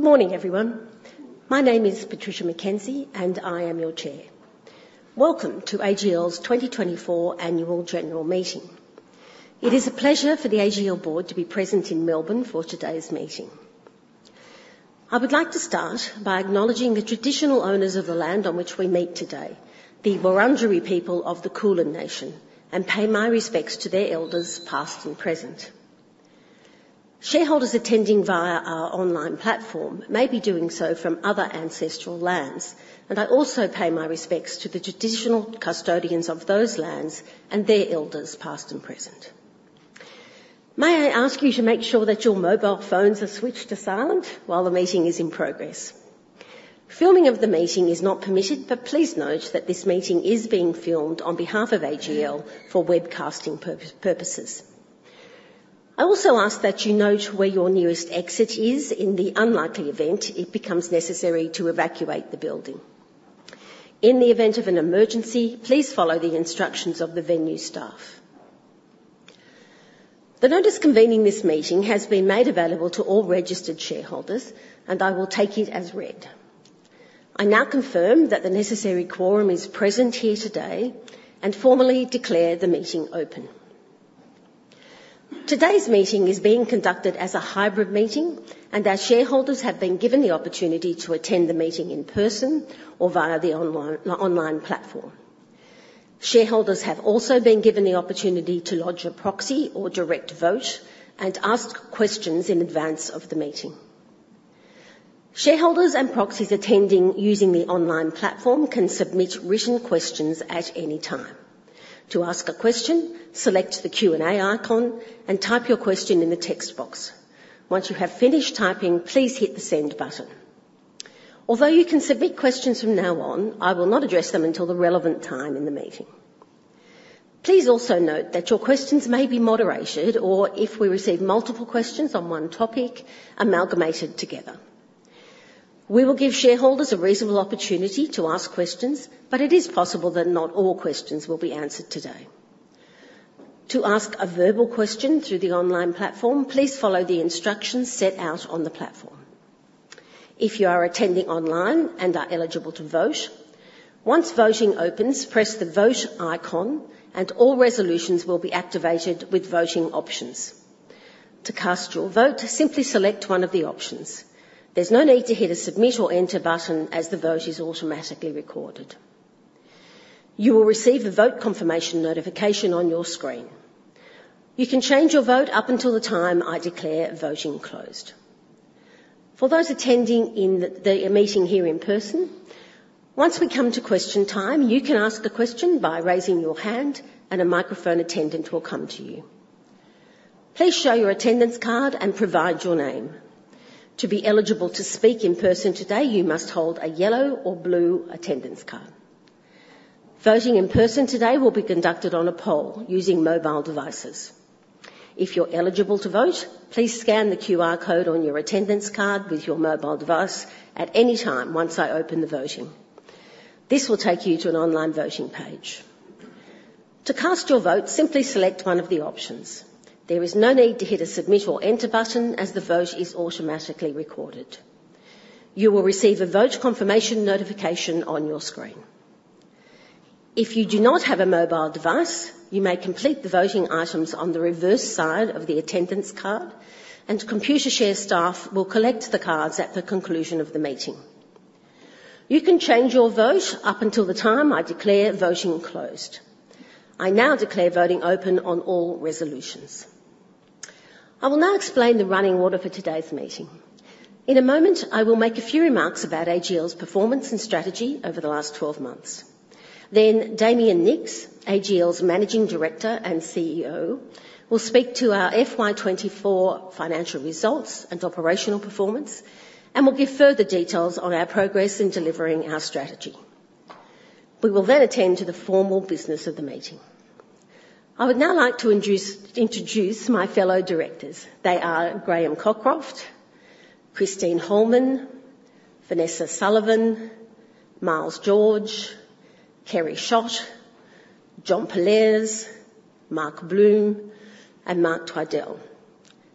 Good morning, everyone. My name is Patricia McKenzie, and I am your Chair. Welcome to AGL's 2024 Annual General Meeting. It is a pleasure for the AGL board to be present in Melbourne for today's meeting. I would like to start by acknowledging the traditional owners of the land on which we meet today, the Wurundjeri people of the Kulin Nation, and pay my respects to their elders, past and present. Shareholders attending via our online platform may be doing so from other ancestral lands, and I also pay my respects to the traditional custodians of those lands and their elders, past and present. May I ask you to make sure that your mobile phones are switched to silent while the meeting is in progress? Filming of the meeting is not permitted, but please note that this meeting is being filmed on behalf of AGL for webcasting purposes. I also ask that you note where your nearest exit is in the unlikely event it becomes necessary to evacuate the building. In the event of an emergency, please follow the instructions of the venue staff. The notice convening this meeting has been made available to all registered shareholders, and I will take it as read. I now confirm that the necessary quorum is present here today and formally declare the meeting open. Today's meeting is being conducted as a hybrid meeting, and our shareholders have been given the opportunity to attend the meeting in person or via the online platform. Shareholders have also been given the opportunity to lodge a proxy or direct vote and ask questions in advance of the meeting. Shareholders and proxies attending using the online platform can submit written questions at any time. To ask a question, select the Q&A icon and type your question in the text box. Once you have finished typing, please hit the send button. Although you can submit questions from now on, I will not address them until the relevant time in the meeting. Please also note that your questions may be moderated or, if we receive multiple questions on one topic, amalgamated together. We will give shareholders a reasonable opportunity to ask questions, but it is possible that not all questions will be answered today. To ask a verbal question through the online platform, please follow the instructions set out on the platform. If you are attending online and are eligible to vote, once voting opens, press the Vote icon, and all resolutions will be activated with voting options. To cast your vote, simply select one of the options. There's no need to hit a submit or enter button, as the vote is automatically recorded. You will receive a vote confirmation notification on your screen. You can change your vote up until the time I declare voting closed. For those attending in the meeting here in person, once we come to question time, you can ask the question by raising your hand and a microphone attendant will come to you. Please show your attendance card and provide your name. To be eligible to speak in person today, you must hold a yellow or blue attendance card. Voting in person today will be conducted on a poll using mobile devices. If you're eligible to vote, please scan the QR code on your attendance card with your mobile device at any time once I open the voting. This will take you to an online voting page. To cast your vote, simply select one of the options. There is no need to hit a submit or enter button, as the vote is automatically recorded. You will receive a vote confirmation notification on your screen. If you do not have a mobile device, you may complete the voting items on the reverse side of the attendance card, and Computershare staff will collect the cards at the conclusion of the meeting. You can change your vote up until the time I declare voting closed. I now declare voting open on all resolutions. I will now explain the running order for today's meeting. In a moment, I will make a few remarks about AGL's performance and strategy over the last twelve months. Then Damien Nicks, AGL's Managing Director and CEO, will speak to our FY 2024 financial results and operational performance and will give further details on our progress in delivering our strategy. We will then attend to the formal business of the meeting. I would now like to introduce my fellow directors. They Graham Cockroft, Christine Holman, Vanessa Sullivan, Miles George, Kerry Schott, John Pollaers, Mark Bloom, and Mark Twidell,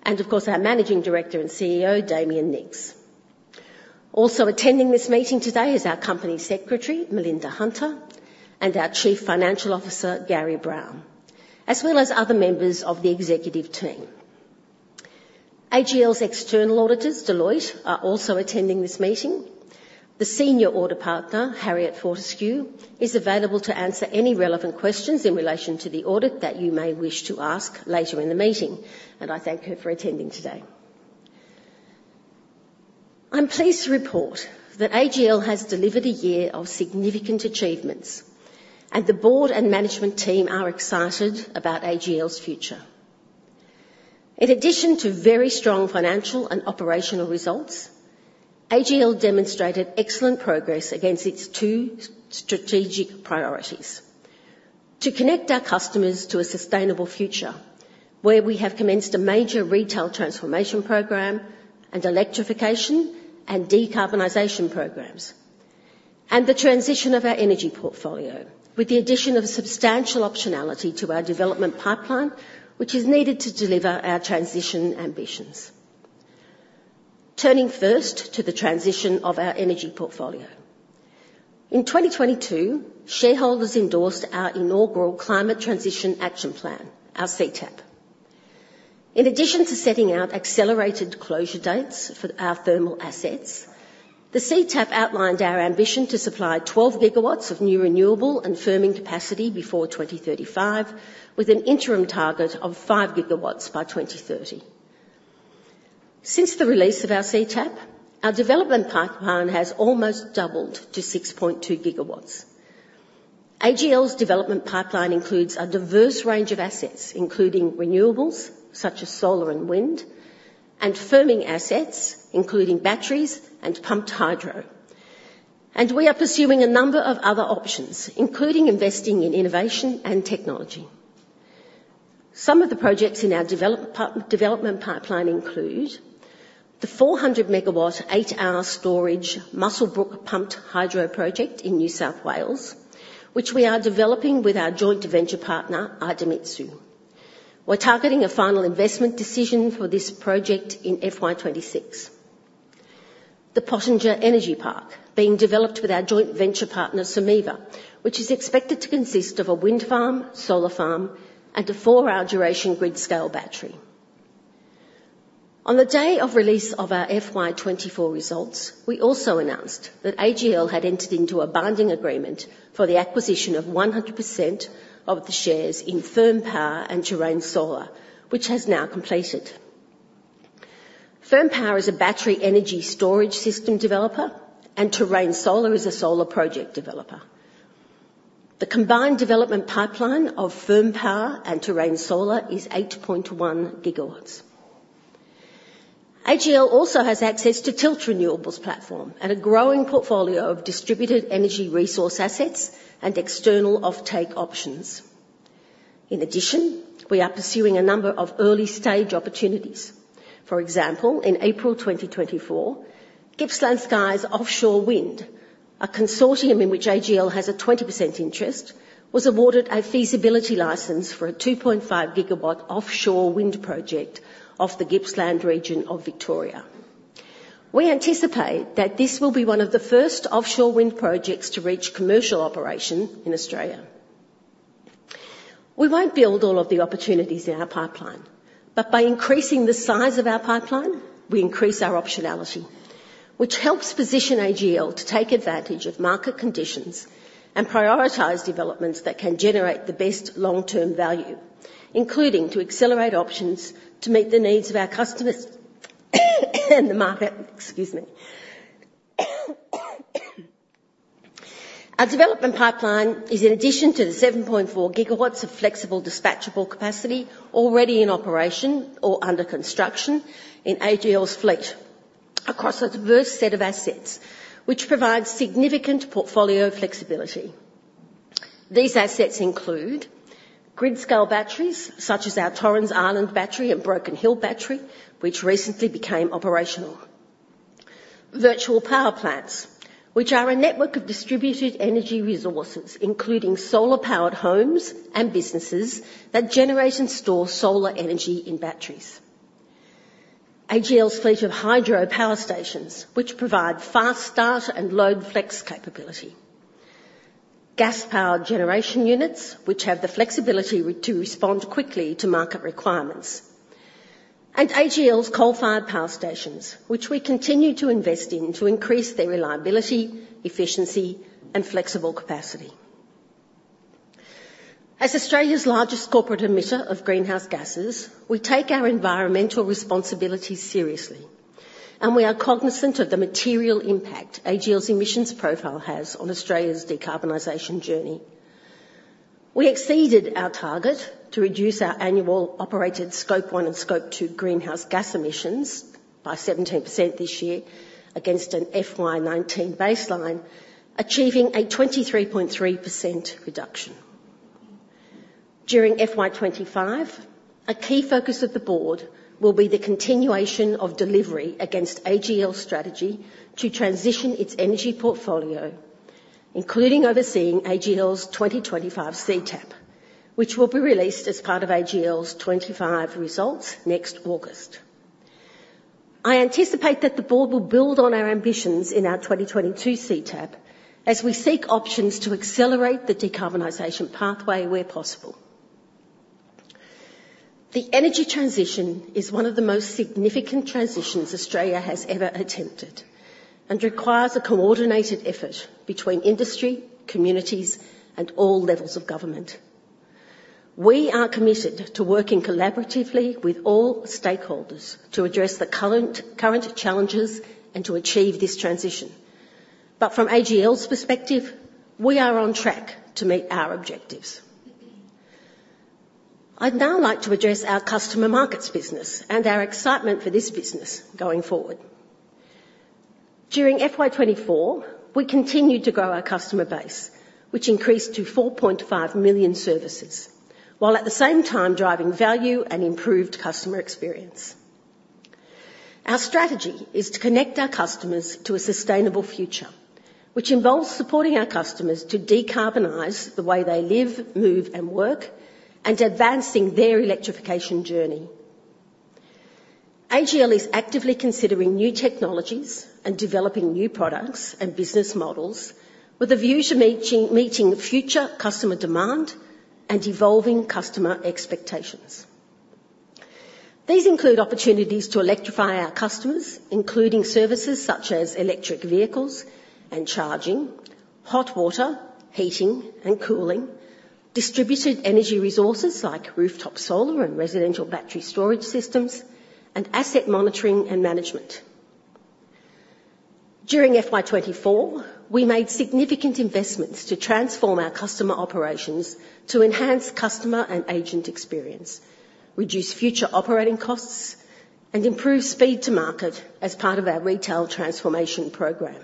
and of course, our Managing Director and CEO, Damien Nicks. Also attending this meeting today is our Company Secretary, Melinda Hunter, and our Chief Financial Officer, Gary Brown, as well as other members of the executive team. AGL's external auditors, Deloitte, are also attending this meeting. The Senior Audit Partner, Harriet Fortescue, is available to answer any relevant questions in relation to the audit that you may wish to ask later in the meeting, and I thank her for attending today. I'm pleased to report that AGL has delivered a year of significant achievements, and the board and management team are excited about AGL's future. In addition to very strong financial and operational results, AGL demonstrated excellent progress against its two strategic priorities: to connect our customers to a sustainable future, where we have commenced a major Retail Transformation Program and electrification and decarbonization programs, and the transition of our energy portfolio, with the addition of substantial optionality to our development pipeline, which is needed to deliver our transition ambitions. Turning first to the transition of our energy portfolio. In 2022, shareholders endorsed our inaugural Climate Transition Action Plan, our CTAP. In addition to setting out accelerated closure dates for our thermal assets, the CTAP outlined our ambition to supply 12 gigawatts of new renewable and firming capacity before 2035, with an interim target of 5 gigawatts by 2030. Since the release of our CTAP, our development pipeline has almost doubled to 6.2 gigawatts. AGL's development pipeline includes a diverse range of assets, including renewables, such as solar and wind, and firming assets, including batteries and pumped hydro, and we are pursuing a number of other options, including investing in innovation and technology. Some of the projects in our development pipeline include the 400 megawatt, 8-hour storage Muswellbrook Pumped Hydro Project in New South Wales, which we are developing with our joint venture partner, Idemitsu. We're targeting a final investment decision for this project in FY 2026. The Pottinger Energy Park, being developed with our joint venture partner, Someva, which is expected to consist of a wind farm, solar farm, and a four-hour duration grid-scale battery. On the day of release of our FY 2024 results, we also announced that AGL had entered into a binding agreement for the acquisition of 100% of the shares in Firm Power and Terrain Solar, which has now completed. Firm Power is a battery energy storage system developer, and Terrain Solar is a solar project developer. The combined development pipeline of Firm Power and Terrain Solar is 8.1 gigawatts. AGL also has access to Tilt Renewables platform and a growing portfolio of distributed energy resource assets and external offtake options. In addition, we are pursuing a number of early-stage opportunities. For example, in April 2024, Gippsland Skies Offshore Wind, a consortium in which AGL has a 20% interest, was awarded a feasibility license for a 2.5 gigawatts offshore wind project off the Gippsland region of Victoria. We anticipate that this will be one of the first offshore wind projects to reach commercial operation in Australia. We won't build all of the opportunities in our pipeline, but by increasing the size of our pipeline, we increase our optionality, which helps position AGL to take advantage of market conditions and prioritize developments that can generate the best long-term value, including to accelerate options to meet the needs of our customers, and the market. Excuse me. Our development pipeline is in addition to the 7.4 gigawatts of flexible dispatchable capacity already in operation or under construction in AGL's fleet across a diverse set of assets, which provides significant portfolio flexibility. These assets include grid-scale batteries, such as Torrens Island Battery, Broken Hill Battery, which recently became operational. Virtual power plants, which are a network of distributed energy resources, including solar-powered homes and businesses that generate and store solar energy in batteries. AGL's fleet of hydro power stations, which provide fast start and load flex capability. Gas-powered generation units, which have the flexibility to respond quickly to market requirements. And AGL's coal-fired power stations, which we continue to invest in to increase their reliability, efficiency, and flexible capacity. As Australia's largest corporate emitter of greenhouse gases, we take our environmental responsibilities seriously, and we are cognizant of the material impact AGL's emissions profile has on Australia's decarbonization journey. We exceeded our target to reduce our annual operated Scope 1 and Scope 2 greenhouse gas emissions by 17% this year against an FY 2019 baseline, achieving a 23.3% reduction. During FY 2025, a key focus of the board will be the continuation of delivery against AGL's strategy to transition its energy portfolio, including overseeing AGL's 2025 CTAP, which will be released as part of AGL's 2025 results next August. I anticipate that the board will build on our ambitions in our 2022 CTAP as we seek options to accelerate the decarbonization pathway where possible. The energy transition is one of the most significant transitions Australia has ever attempted and requires a coordinated effort between industry, communities, and all levels of government. We are committed to working collaboratively with all stakeholders to address the current challenges and to achieve this transition. But from AGL's perspective, we are on track to meet our objectives. I'd now like to address our customer markets business and our excitement for this business going forward. During FY 2024, we continued to grow our customer base, which increased to 4.5 million services, while at the same time driving value and improved customer experience. Our strategy is to connect our customers to a sustainable future, which involves supporting our customers to decarbonize the way they live, move, and work, and advancing their electrification journey. AGL is actively considering new technologies and developing new products and business models with a view to meeting future customer demand and evolving customer expectations. These include opportunities to electrify our customers, including services such as electric vehicles and charging, hot water, heating and cooling, distributed energy resources like rooftop solar and residential battery storage systems, and asset monitoring and management. During FY 2024, we made significant investments to transform our customer operations to enhance customer and agent experience, reduce future operating costs, and improve speed to market as part of our Retail Transformation Program.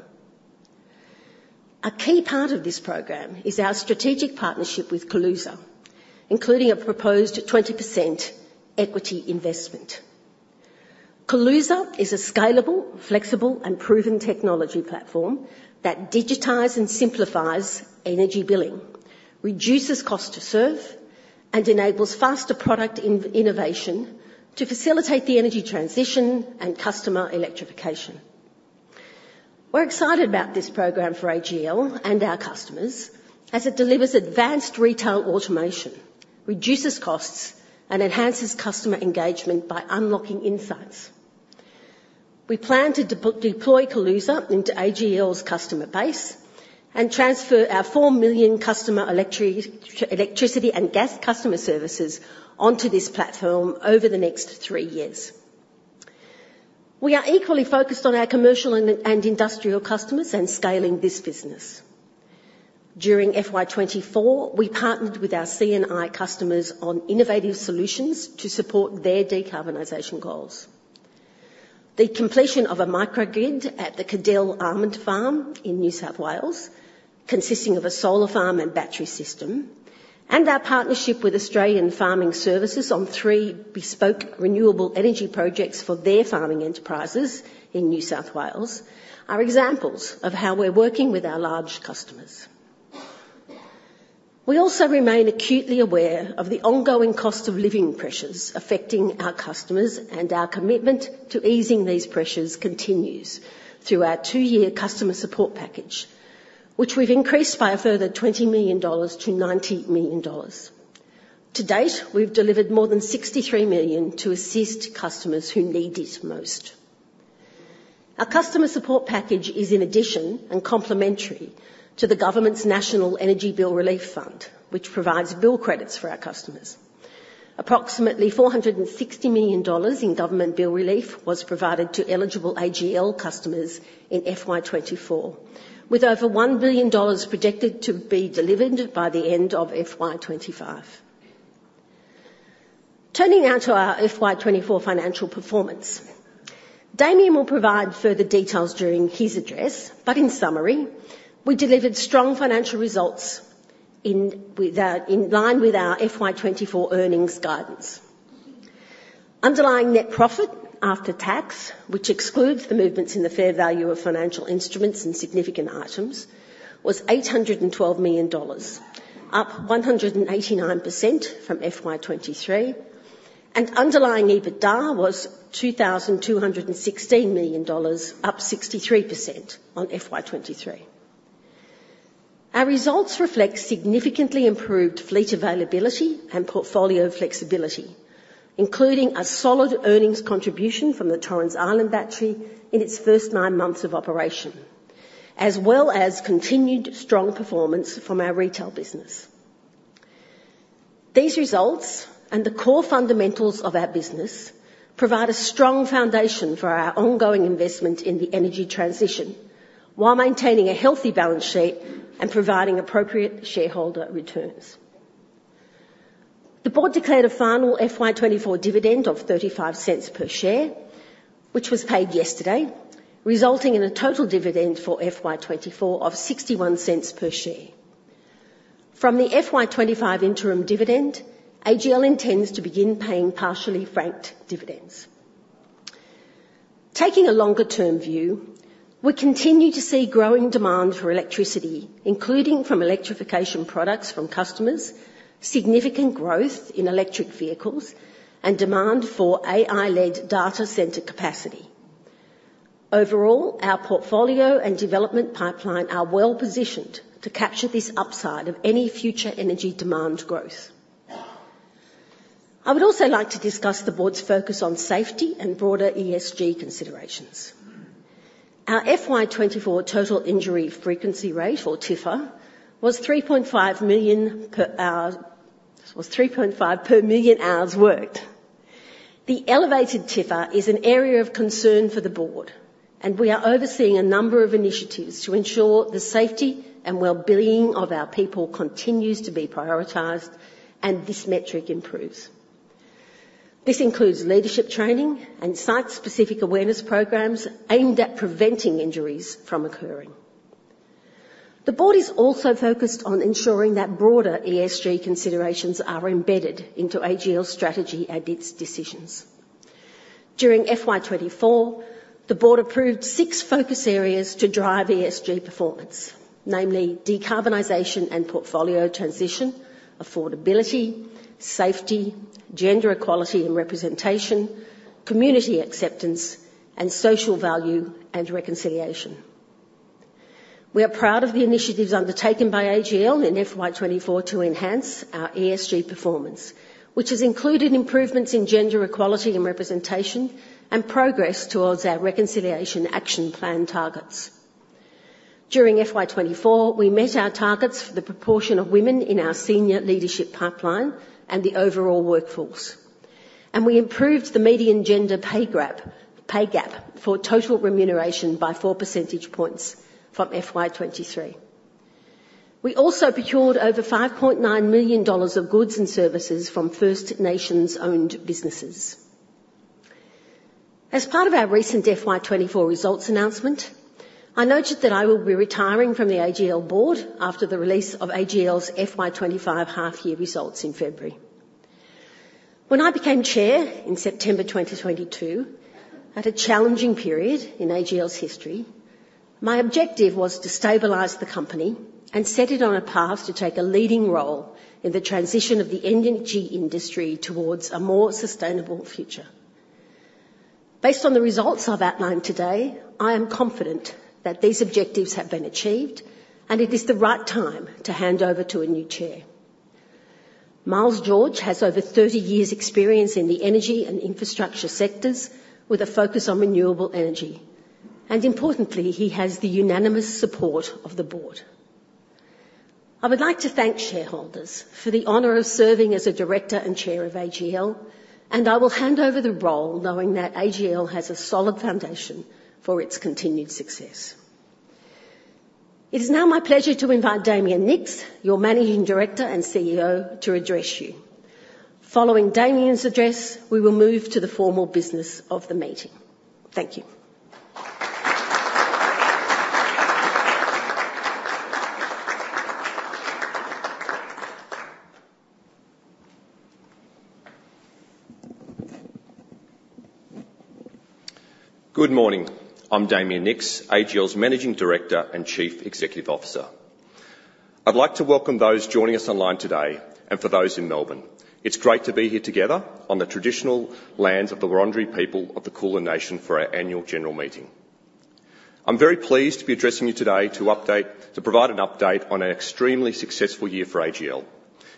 A key part of this program is our strategic partnership with Kaluza, including a proposed 20% equity investment. Kaluza is a scalable, flexible, and proven technology platform that digitizes and simplifies energy billing, reduces cost to serve, and enables faster product innovation to facilitate the energy transition and customer electrification. We're excited about this program for AGL and our customers as it delivers advanced retail automation, reduces costs, and enhances customer engagement by unlocking insights. We plan to deploy Kaluza into AGL's customer base and transfer our 4 million customer electricity and gas customer services onto this platform over the next three years. We are equally focused on our commercial and industrial customers and scaling this business. During FY 2024, we partnered with our C&I customers on innovative solutions to support their decarbonization goals. The completion of a microgrid at the Cadell Almond Farm in New South Wales, consisting of a solar farm and battery system, and our partnership with Australian Farming Services on three bespoke renewable energy projects for their farming enterprises in New South Wales, are examples of how we're working with our large customers. We also remain acutely aware of the ongoing cost of living pressures affecting our customers, and our commitment to easing these pressures continues through our two-year customer support package, which we've increased by a further AUD 20 million to AUD 90 million. To date, we've delivered more than AUD 63 million to assist customers who need it most. Our customer support package is in addition and complementary to the government's National Energy Bill Relief Fund, which provides bill credits for our customers. Approximately 460 million dollars in government bill relief was provided to eligible AGL customers in FY 2024, with over 1 billion dollars projected to be delivered by the end of FY 2025. Turning now to our FY 2024 financial performance. Damien will provide further details during his address, but in summary, we delivered strong financial results in line with our FY 2024 earnings guidance. Underlying net profit after tax, which excludes the movements in the fair value of financial instruments and significant items, was 812 million dollars, up 189% from FY 2023, and underlying EBITDA was 2,216 million dollars, up 63% on FY 2023. Our results reflect significantly improved fleet availability and portfolio flexibility, including a solid earnings contribution from the Torrens Island Battery in its first nine months of operation, as well as continued strong performance from our retail business. These results and the core fundamentals of our business provide a strong foundation for our ongoing investment in the energy transition, while maintaining a healthy balance sheet and providing appropriate shareholder returns. The board declared a final FY 2024 dividend of 0.35 per share, which was paid yesterday, resulting in a total dividend for FY 2024 of 0.61 per share. From the FY 2025 interim dividend, AGL intends to begin paying partially franked dividends. Taking a longer term view, we continue to see growing demand for electricity, including from electrification products from customers, significant growth in electric vehicles, and demand for AI-led data center capacity. Overall, our portfolio and development pipeline are well positioned to capture this upside of any future energy demand growth. I would also like to discuss the board's focus on safety and broader ESG considerations. Our FY 2024 Total Injury Frequency Rate, or TRIFR, was 3.5 million per hour. Was 3.5 per million hours worked. The elevated TRIFR is an area of concern for the board, and we are overseeing a number of initiatives to ensure the safety and well-being of our people continues to be prioritized, and this metric improves. This includes leadership training and site-specific awareness programs aimed at preventing injuries from occurring. The board is also focused on ensuring that broader ESG considerations are embedded into AGL's strategy and its decisions. During FY 2024, the board approved six focus areas to drive ESG performance, namely decarbonization and portfolio transition, affordability, safety, gender equality and representation, community acceptance, and social value and reconciliation. We are proud of the initiatives undertaken by AGL in FY 2024 to enhance our ESG performance, which has included improvements in gender equality and representation, and progress towards our Reconciliation Action Plan targets. During FY 2024, we met our targets for the proportion of women in our senior leadership pipeline and the overall workforce, and we improved the median gender pay gap for total remuneration by 4 percentage points from FY 2023. We also procured over 5.9 million dollars of goods and services from First Nations-owned businesses. As part of our recent FY 2024 results announcement, I noted that I will be retiring from the AGL board after the release of AGL's FY 2025 half-year results in February. When I became Chair in September 2022, at a challenging period in AGL's history, my objective was to stabilize the company and set it on a path to take a leading role in the transition of the energy industry towards a more sustainable future. Based on the results I've outlined today, I am confident that these objectives have been achieved, and it is the right time to hand over to a new Chair. Miles George has over thirty years' experience in the energy and infrastructure sectors, with a focus on renewable energy, and importantly, he has the unanimous support of the board. I would like to thank shareholders for the honor of serving as a director and chair of AGL, and I will hand over the role knowing that AGL has a solid foundation for its continued success. It is now my pleasure to invite Damien Nicks, your Managing Director and CEO, to address you. Following Damien's address, we will move to the formal business of the meeting. Thank you. Good morning. I'm Damien Nicks, AGL's Managing Director and Chief Executive Officer. I'd like to welcome those joining us online today and for those in Melbourne. It's great to be here together on the traditional lands of the Wurundjeri people of the Kulin Nation for our annual general meeting. I'm very pleased to be addressing you today to provide an update on an extremely successful year for AGL,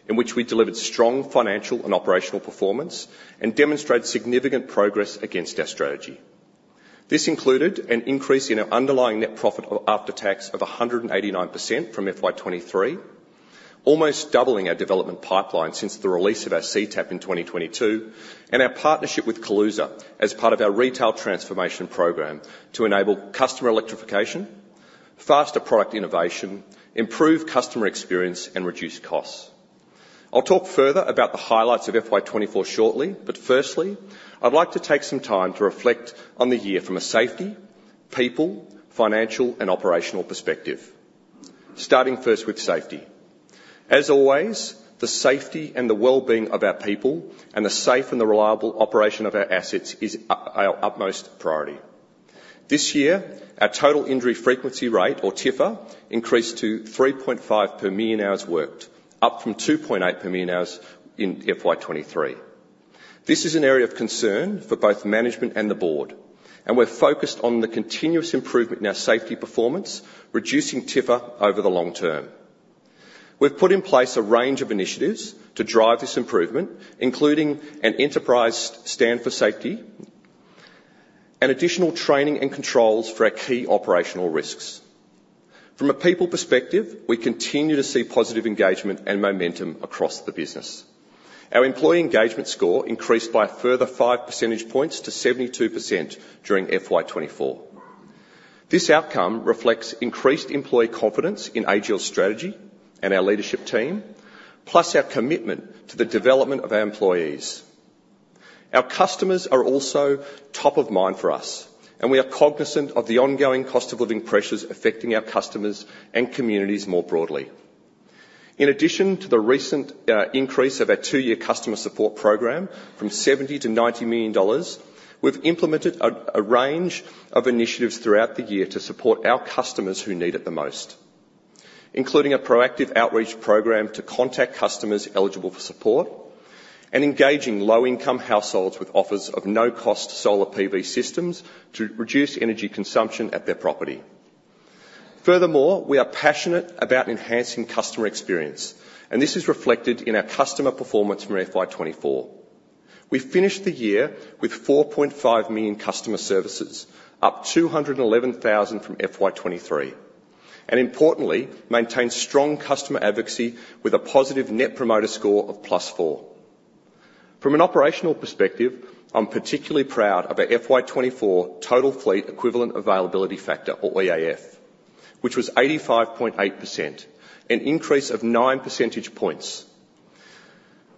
in which we delivered strong financial and operational performance and demonstrated significant progress against our strategy. This included an increase in our underlying net profit after tax of 189% from FY 2023, almost doubling our development pipeline since the release of our CTAP in 2022, and our partnership with Kaluza as part of our Retail Transformation Program to enable customer electrification, faster product innovation, improved customer experience, and reduced costs. I'll talk further about the highlights of FY 2024 shortly, but firstly, I'd like to take some time to reflect on the year from a safety, people, financial, and operational perspective. Starting first with safety. As always, the safety and the well-being of our people, and the safe and the reliable operation of our assets is our utmost priority. This year, our Total Injury Frequency Rate, or TRIFR, increased to 3.5 per million hours worked, up from 2.8 per million hours in FY 2023. This is an area of concern for both management and the board, and we're focused on the continuous improvement in our safety performance, reducing TRIFR over the long term. We've put in place a range of initiatives to drive this improvement, including an enterprise stand for safety and additional training and controls for our key operational risks. From a people perspective, we continue to see positive engagement and momentum across the business. Our employee engagement score increased by a further five percentage points to 72% during FY 2024. This outcome reflects increased employee confidence in AGL's strategy and our leadership team, plus our commitment to the development of our employees. Our customers are also top of mind for us, and we are cognizant of the ongoing cost of living pressures affecting our customers and communities more broadly. In addition to the recent increase of our two-year customer support program from 70 million-90 million dollars, we've implemented a range of initiatives throughout the year to support our customers who need it the most, including a proactive outreach program to contact customers eligible for support and engaging low-income households with offers of no-cost solar PV systems to reduce energy consumption at their property. Furthermore, we are passionate about enhancing customer experience, and this is reflected in our customer performance from FY 2024. We finished the year with 4.5 million customer services, up 211,000 from FY 2023, and importantly, maintained strong customer advocacy with a positive Net Promoter Score of +4. From an operational perspective, I'm particularly proud of our FY 2024 total fleet Equivalent Availability Factor, or EAF, which was 85.8%, an increase of 9 percentage points,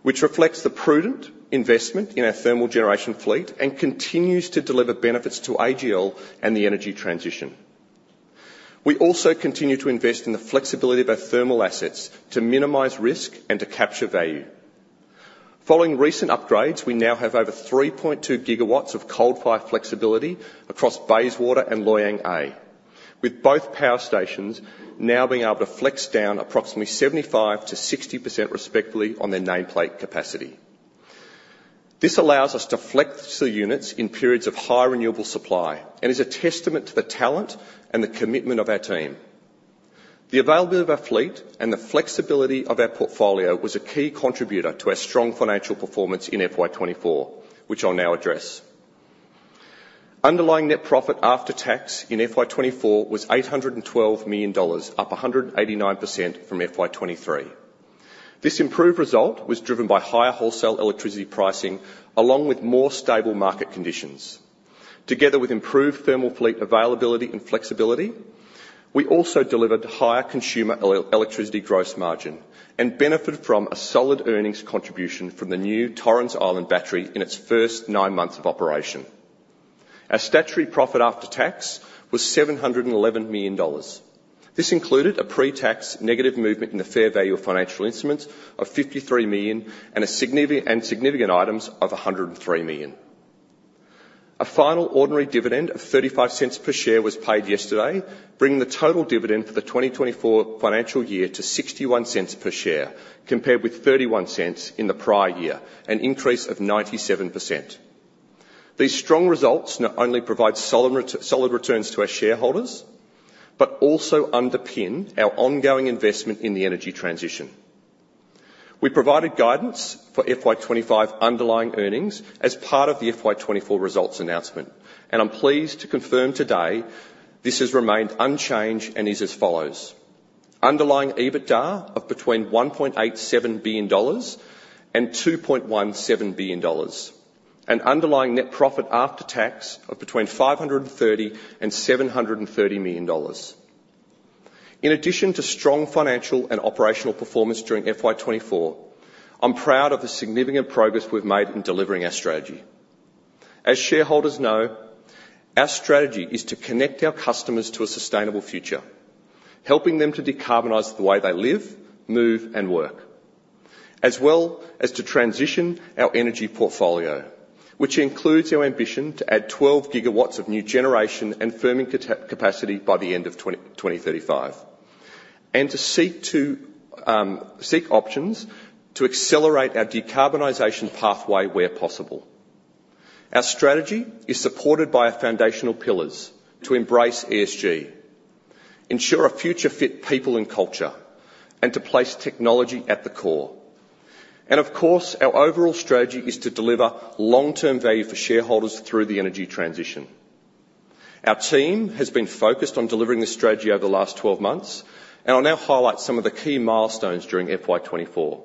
which reflects the prudent investment in our thermal generation fleet and continues to deliver benefits to AGL and the energy transition. We also continue to invest in the flexibility of our thermal assets to minimize risk and to capture value. Following recent upgrades, we now have over 3.2 gigawatts of coal-fired flexibility across Bayswater and Loy Yang A, with both power stations now being able to flex down approximately 75%-60% respectively on their nameplate capacity. This allows us to flex the units in periods of high renewable supply, and is a testament to the talent and the commitment of our team. The availability of our fleet and the flexibility of our portfolio was a key contributor to our strong financial performance in FY 2024, which I'll now address. Underlying net profit after tax in FY 2024 was AUD 812 million, up 189% from FY 2023. This improved result was driven by higher wholesale electricity pricing, along with more stable market conditions. Together with improved thermal fleet availability and flexibility, we also delivered higher consumer electricity gross margin, and benefited from a solid earnings contribution from the new Torrens Island Battery in its first nine months of operation. Our statutory profit after tax was 711 million dollars. This included a pre-tax negative movement in the fair value of financial instruments of 53 million, and significant items of 103 million. A final ordinary dividend of 0.35 per share was paid yesterday, bringing the total dividend for the 2024 financial year to 0.61 per share, compared with 0.31 in the prior year, an increase of 97%. These strong results not only provide solid returns to our shareholders, but also underpin our ongoing investment in the energy transition. We provided guidance for FY 2025 underlying earnings as part of the FY 2024 results announcement, and I'm pleased to confirm today this has remained unchanged and is as follows: Underlying EBITDA of between AUD 1.87 billion and AUD 2.17 billion, and underlying net profit after tax of between AUD 530 million and AUD 730 million. In addition to strong financial and operational performance during FY 2024, I'm proud of the significant progress we've made in delivering our strategy. As shareholders know, our strategy is to connect our customers to a sustainable future, helping them to decarbonize the way they live, move, and work, as well as to transition our energy portfolio, which includes our ambition to add 12 gigawatts of new generation and firming capacity by the end of 2035, and to seek options to accelerate our decarbonization pathway where possible. Our strategy is supported by our foundational pillars to embrace ESG, ensure a future-fit people and culture, and to place technology at the core. Of course, our overall strategy is to deliver long-term value for shareholders through the energy transition. Our team has been focused on delivering this strategy over the last 12 months, and I'll now highlight some of the key milestones during FY 2024.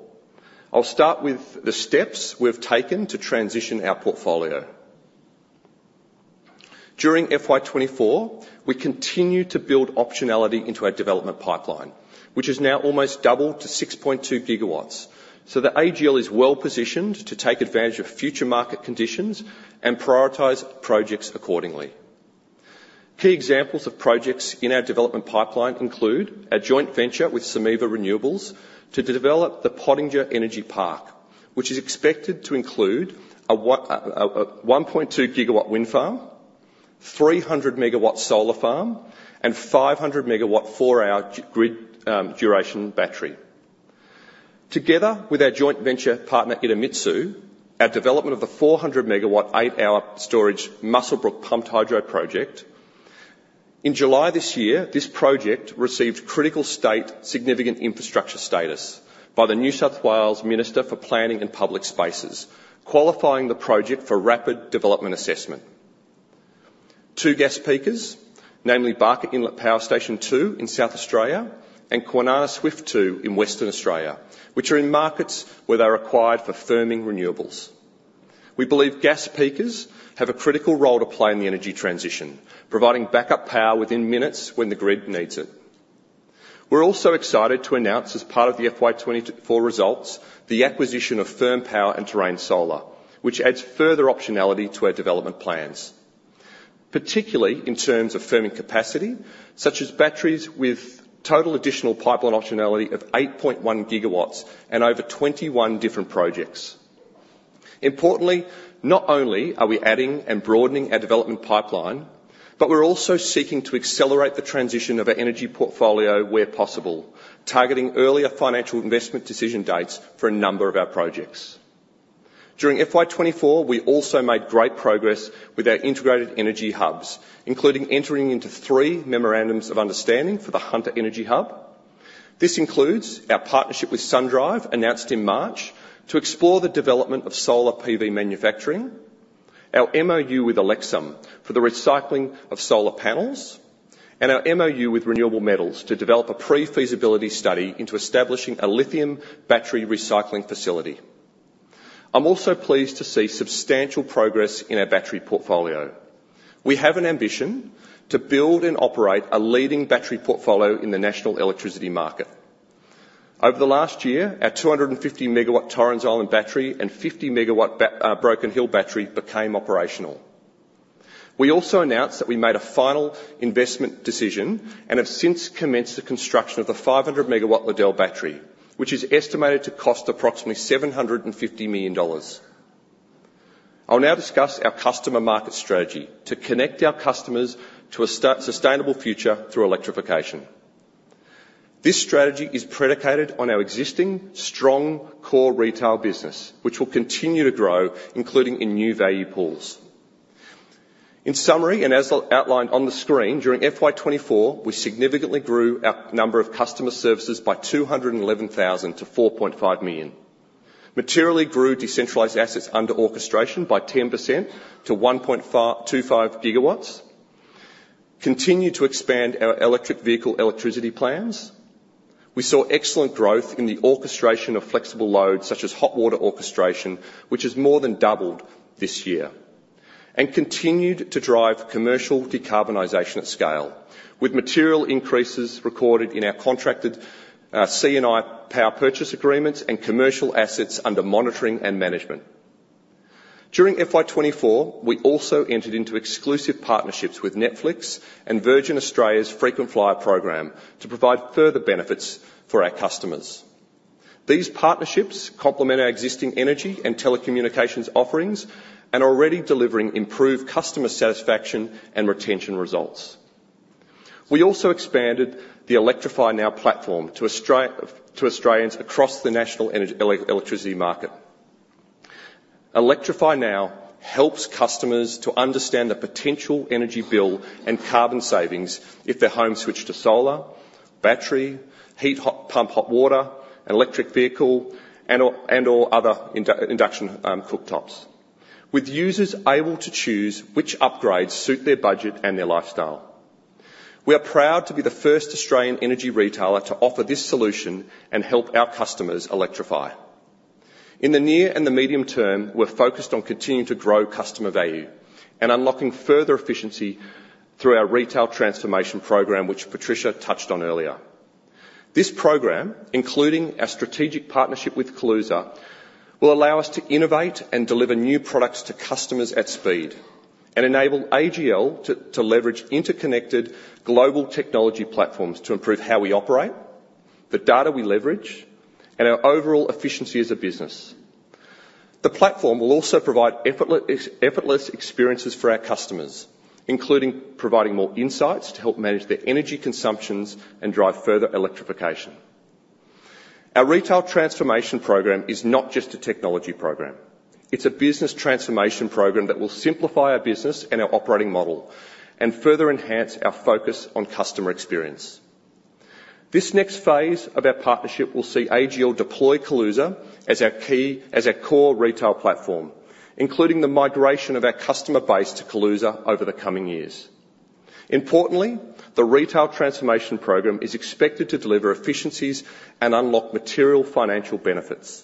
I'll start with the steps we've taken to transition our portfolio. During FY 2024, we continued to build optionality into our development pipeline, which has now almost doubled to 6.2 gigawatts, so that AGL is well-positioned to take advantage of future market conditions and prioritize projects accordingly. Key examples of projects in our development pipeline include a joint venture with Someva Renewables to develop the Pottinger Energy Park, which is expected to include a 1.2-gigawatt wind farm, 300-megawatt solar farm, and 500-megawatt four-hour grid duration battery. Together with our joint venture partner, Idemitsu Australia, our development of the 400-megawatt, eight-hour storage Muswellbrook Pumped Hydro Project. In July this year, this project received critical State Significant Infrastructure status by the New South Wales Minister for Planning and Public Spaces, qualifying the project for rapid development assessment. Two gas peakers, namely Barker Inlet Power Station Two in South Australia and Kwinana Swift Two in Western Australia, which are in markets where they're required for firming renewables. We believe gas peakers have a critical role to play in the energy transition, providing backup power within minutes when the grid needs it. We're also excited to announce, as part of the FY 2024 results, the acquisition of Firm Power and Terrain Solar, which adds further optionality to our development plans, particularly in terms of firming capacity, such as batteries with total additional pipeline optionality of 8.1 gigawatts and over 21 different projects. Importantly, not only are we adding and broadening our development pipeline, but we're also seeking to accelerate the transition of our energy portfolio where possible, targeting earlier financial investment decision dates for a number of our projects. During FY 2024, we also made great progress with our integrated energy hubs, including entering into three memorandums of understanding for the Hunter Energy Hub. This includes our partnership with SunDrive, announced in March, to explore the development of solar PV manufacturing, our MOU with Elecsome for the recycling of solar panels, and our MOU with Renewable Metals to develop a pre-feasibility study into establishing a lithium battery recycling facility. I'm also pleased to see substantial progress in our battery portfolio. We have an ambition to build and operate a leading battery portfolio in the national electricity market. Over the last year, our 250 megawatt Torrens Island Battery and Broken Hill Battery became operational. We also announced that we made a final investment decision, and have since commenced the construction of the 500-megawatt Liddell Battery, which is estimated to cost approximately 750 million dollars. I'll now discuss our customer market strategy to connect our customers to a sustainable future through electrification. This strategy is predicated on our existing strong core retail business, which will continue to grow, including in new value pools. In summary, and as outlined on the screen, during FY 2024, we significantly grew our number of customer services by 211,000 to 4.5 million. Materially grew decentralized assets under orchestration by 10% to 1.25 gigawatts, continued to expand our electric vehicle electricity plans. We saw excellent growth in the orchestration of flexible loads, such as hot water orchestration, which has more than doubled this year, and continued to drive commercial decarbonization at scale, with material increases recorded in our contracted C&I power purchase agreements and commercial assets under monitoring and management. During FY 2024, we also entered into exclusive partnerships with Netflix and Virgin Australia Frequent Flyer program to provide further benefits for our customers. These partnerships complement our existing energy and telecommunications offerings and are already delivering improved customer satisfaction and retention results. We also expanded the Electrify Now platform to Australians across the national electricity market. Electrify Now helps customers to understand the potential energy bill and carbon savings if their home switched to solar, battery, heat pump hot water, an electric vehicle, and/or other induction cooktops, with users able to choose which upgrades suit their budget and their lifestyle. We are proud to be the first Australian energy retailer to offer this solution and help our customers electrify. In the near and the medium term, we're focused on continuing to grow customer value and unlocking further efficiency through our Retail Transformation Program, which Patricia touched on earlier. This program, including our strategic partnership with Kaluza, will allow us to innovate and deliver new products to customers at speed, and enable AGL to leverage interconnected global technology platforms to improve how we operate, the data we leverage, and our overall efficiency as a business. The platform will also provide effortless experiences for our customers, including providing more insights to help manage their energy consumptions and drive further electrification. Our Retail Transformation Program is not just a technology program, it's a business transformation program that will simplify our business and our operating model and further enhance our focus on customer experience. This next phase of our partnership will see AGL deploy Kaluza as our core retail platform, including the migration of our customer base to Kaluza over the coming years. Importantly, the Retail Transformation Program is expected to deliver efficiencies and unlock material financial benefits.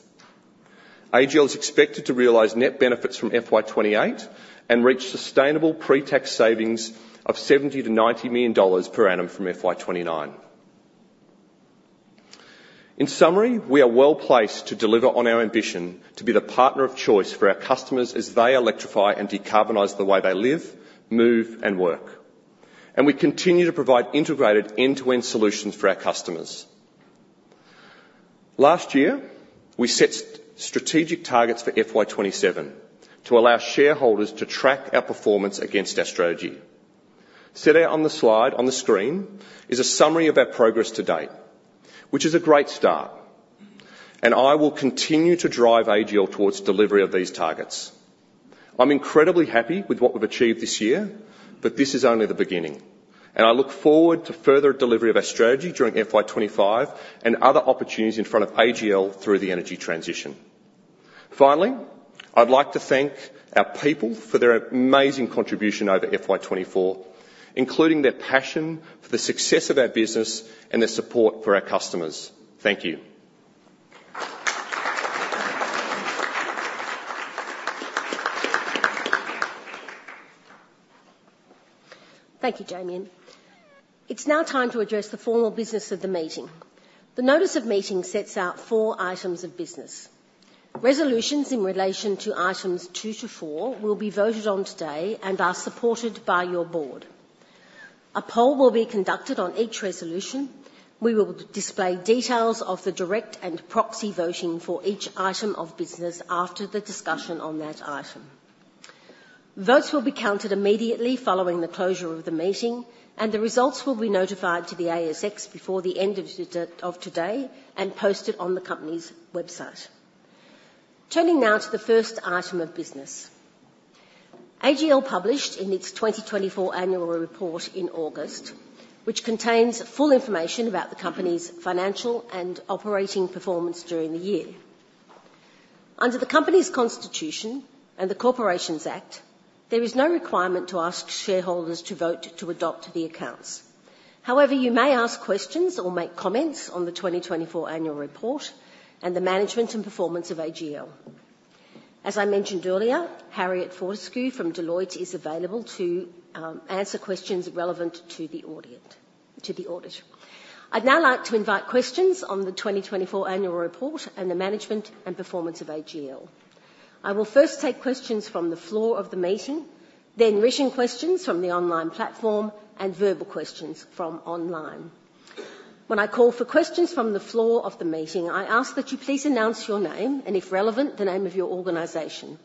AGL is expected to realize net benefits from FY 2028 and reach sustainable pre-tax savings of AUD 70 million-AUD 90 million per annum from FY 2029. In summary, we are well placed to deliver on our ambition to be the partner of choice for our customers as they electrify and decarbonize the way they live, move, and work, and we continue to provide integrated end-to-end solutions for our customers. Last year, we set strategic targets for FY 2027 to allow shareholders to track our performance against our strategy. Set out on the slide on the screen is a summary of our progress to date, which is a great start, and I will continue to drive AGL towards delivery of these targets. I'm incredibly happy with what we've achieved this year, but this is only the beginning, and I look forward to further delivery of our strategy during FY 2025 and other opportunities in front of AGL through the energy transition. Finally, I'd like to thank our people for their amazing contribution over FY 2024, including their passion for the success of our business and their support for our customers. Thank you. Thank you, Damien. It's now time to address the formal business of the meeting. The notice of meeting sets out four items of business. Resolutions in relation to items two to four will be voted on today and are supported by your board. A poll will be conducted on each resolution. We will display details of the direct and proxy voting for each item of business after the discussion on that item. Votes will be counted immediately following the closure of the meeting, and the results will be notified to the ASX before the end of the day of today and posted on the company's website. Turning now to the first item of business. AGL published its 2024 annual report in August, which contains full information about the company's financial and operating performance during the year. Under the company's constitution and the Corporations Act, there is no requirement to ask shareholders to vote to adopt the accounts. However, you may ask questions or make comments on the 2024 annual report and the management and performance of AGL. As I mentioned earlier, Harriet Fortescue from Deloitte is available to answer questions relevant to the audit. I'd now like to invite questions on the 2024 annual report and the management and performance of AGL. I will first take questions from the floor of the meeting, then written questions from the online platform, and verbal questions from online. When I call for questions from the floor of the meeting, I ask that you please announce your name, and if relevant, the name of your organization.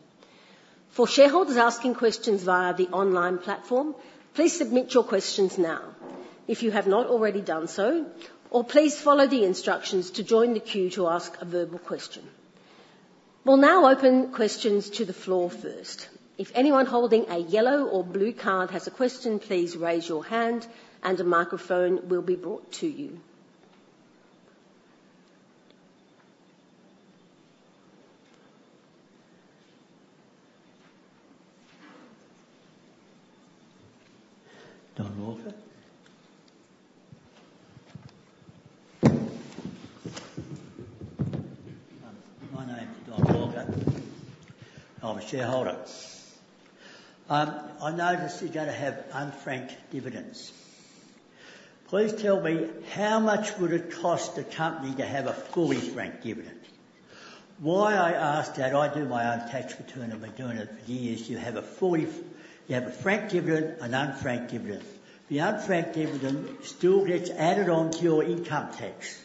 For shareholders asking questions via the online platform, please submit your questions now. If you have not already done so, please follow the instructions to join the queue to ask a verbal question. We'll now open questions to the floor first. If anyone holding a yellow or blue card has a question, please raise your hand and a microphone will be brought to you. My name is Don Walker. I'm a shareholder. I noticed you're gonna have unfranked dividends. Please tell me, how much would it cost the company to have a fully franked dividend? Why I ask that, I do my own tax return, I've been doing it for years. You have a franked dividend, an unfranked dividend. The unfranked dividend still gets added on to your income tax.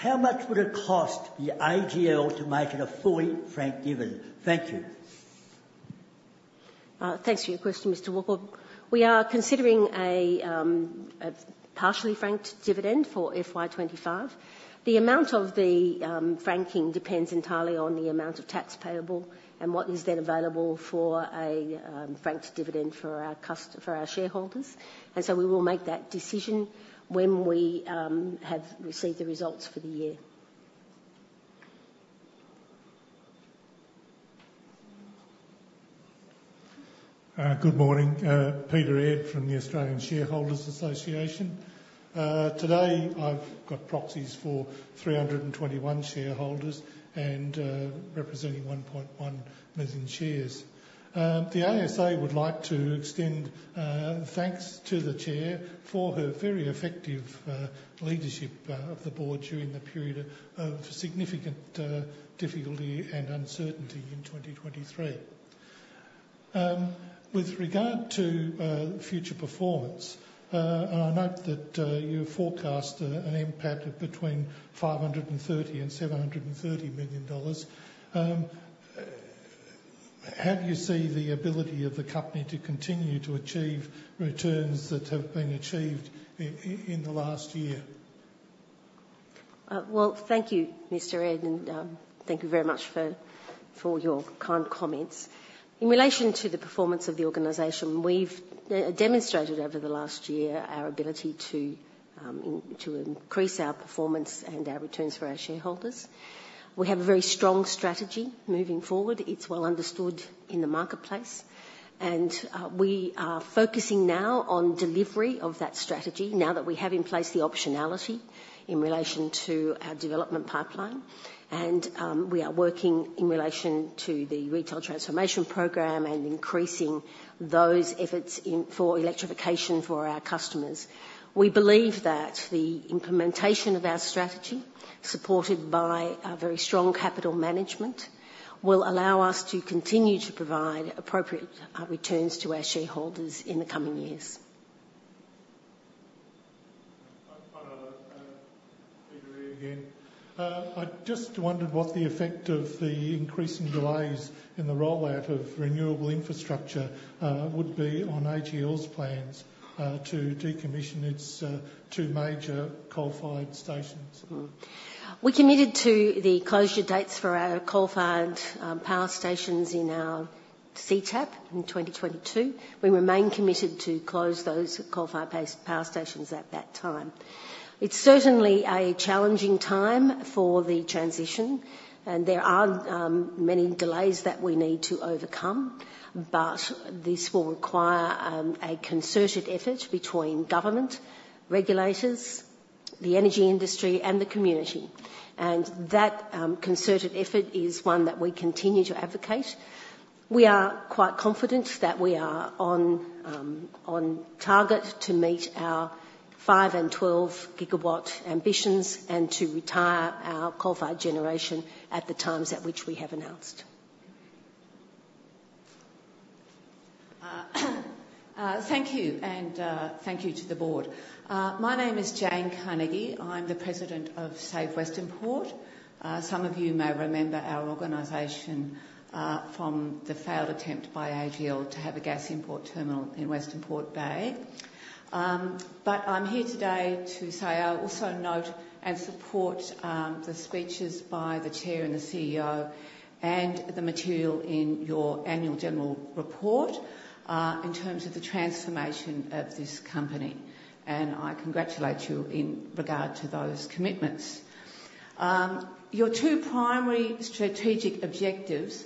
How much would it cost the AGL to make it a fully franked dividend? Thank you. Thanks for your question, Mr. Walker. We are considering a partially franked dividend for FY 2025. The amount of the franking depends entirely on the amount of tax payable and what is then available for a franked dividend for our shareholders, and so we will make that decision when we have received the results for the year. Good morning, Peter Aird from the Australian Shareholders' Association. Today I've got proxies for 321 shareholders and representing 1.1 million shares. The ASA would like to extend thanks to the chair for her very effective leadership of the board during the period of significant difficulty and uncertainty in 2023. With regard to future performance, and I note that you forecast an impact of between 530 and 730 million, how do you see the ability of the company to continue to achieve returns that have been achieved in the last year? Thank you, Mr. Aird, and thank you very much for your kind comments. In relation to the performance of the organization, we've demonstrated over the last year our ability to increase our performance and our returns for our shareholders. We have a very strong strategy moving forward. It's well understood in the marketplace, and we are focusing now on delivery of that strategy now that we have in place the optionality in relation to our development pipeline. And we are working in relation to the Retail Transformation Program and increasing those efforts in for electrification for our customers. We believe that the implementation of our strategy, supported by a very strong capital management, will allow us to continue to provide appropriate returns to our shareholders in the coming years. Peter Aird again. I just wondered what the effect of the increasing delays in the rollout of renewable infrastructure would be on AGL's plans to decommission its two major coal-fired stations? We committed to the closure dates for our coal-fired power stations in our CTAP in 2022. We remain committed to close those coal-fired base power stations at that time. It's certainly a challenging time for the transition, and there are many delays that we need to overcome, but this will require a concerted effort between government, regulators, the energy industry, and the community. And that concerted effort is one that we continue to advocate. We are quite confident that we are on target to meet our 5 and 12 gigawatt ambitions and to retire our coal-fired generation at the times at which we have announced. Thank you, and thank you to the board. My name is Jane Carnegie. I'm the President of Save Westernport. Some of you may remember our organization from the failed attempt by AGL to have a gas import terminal in Westernport Bay, but I'm here today to say I also note and support the speeches by the Chair and the CEO, and the material in your annual general report in terms of the transformation of this company, and I congratulate you in regard to those commitments. Your two primary strategic objectives,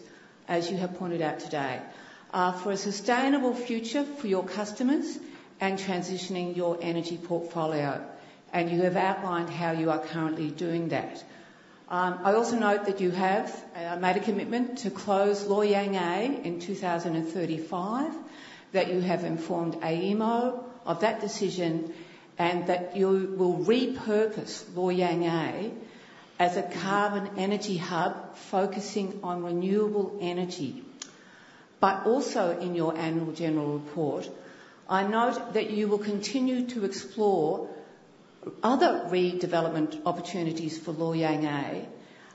as you have pointed out today, are for a sustainable future for your customers and transitioning your energy portfolio, and you have outlined how you are currently doing that. I also note that you have made a commitment to close Loy Yang A in 2035, that you have informed AEMO of that decision, and that you will repurpose Loy Yang A as a carbon energy hub, focusing on renewable energy. But also in your annual general report, I note that you will continue to explore other redevelopment opportunities for Loy Yang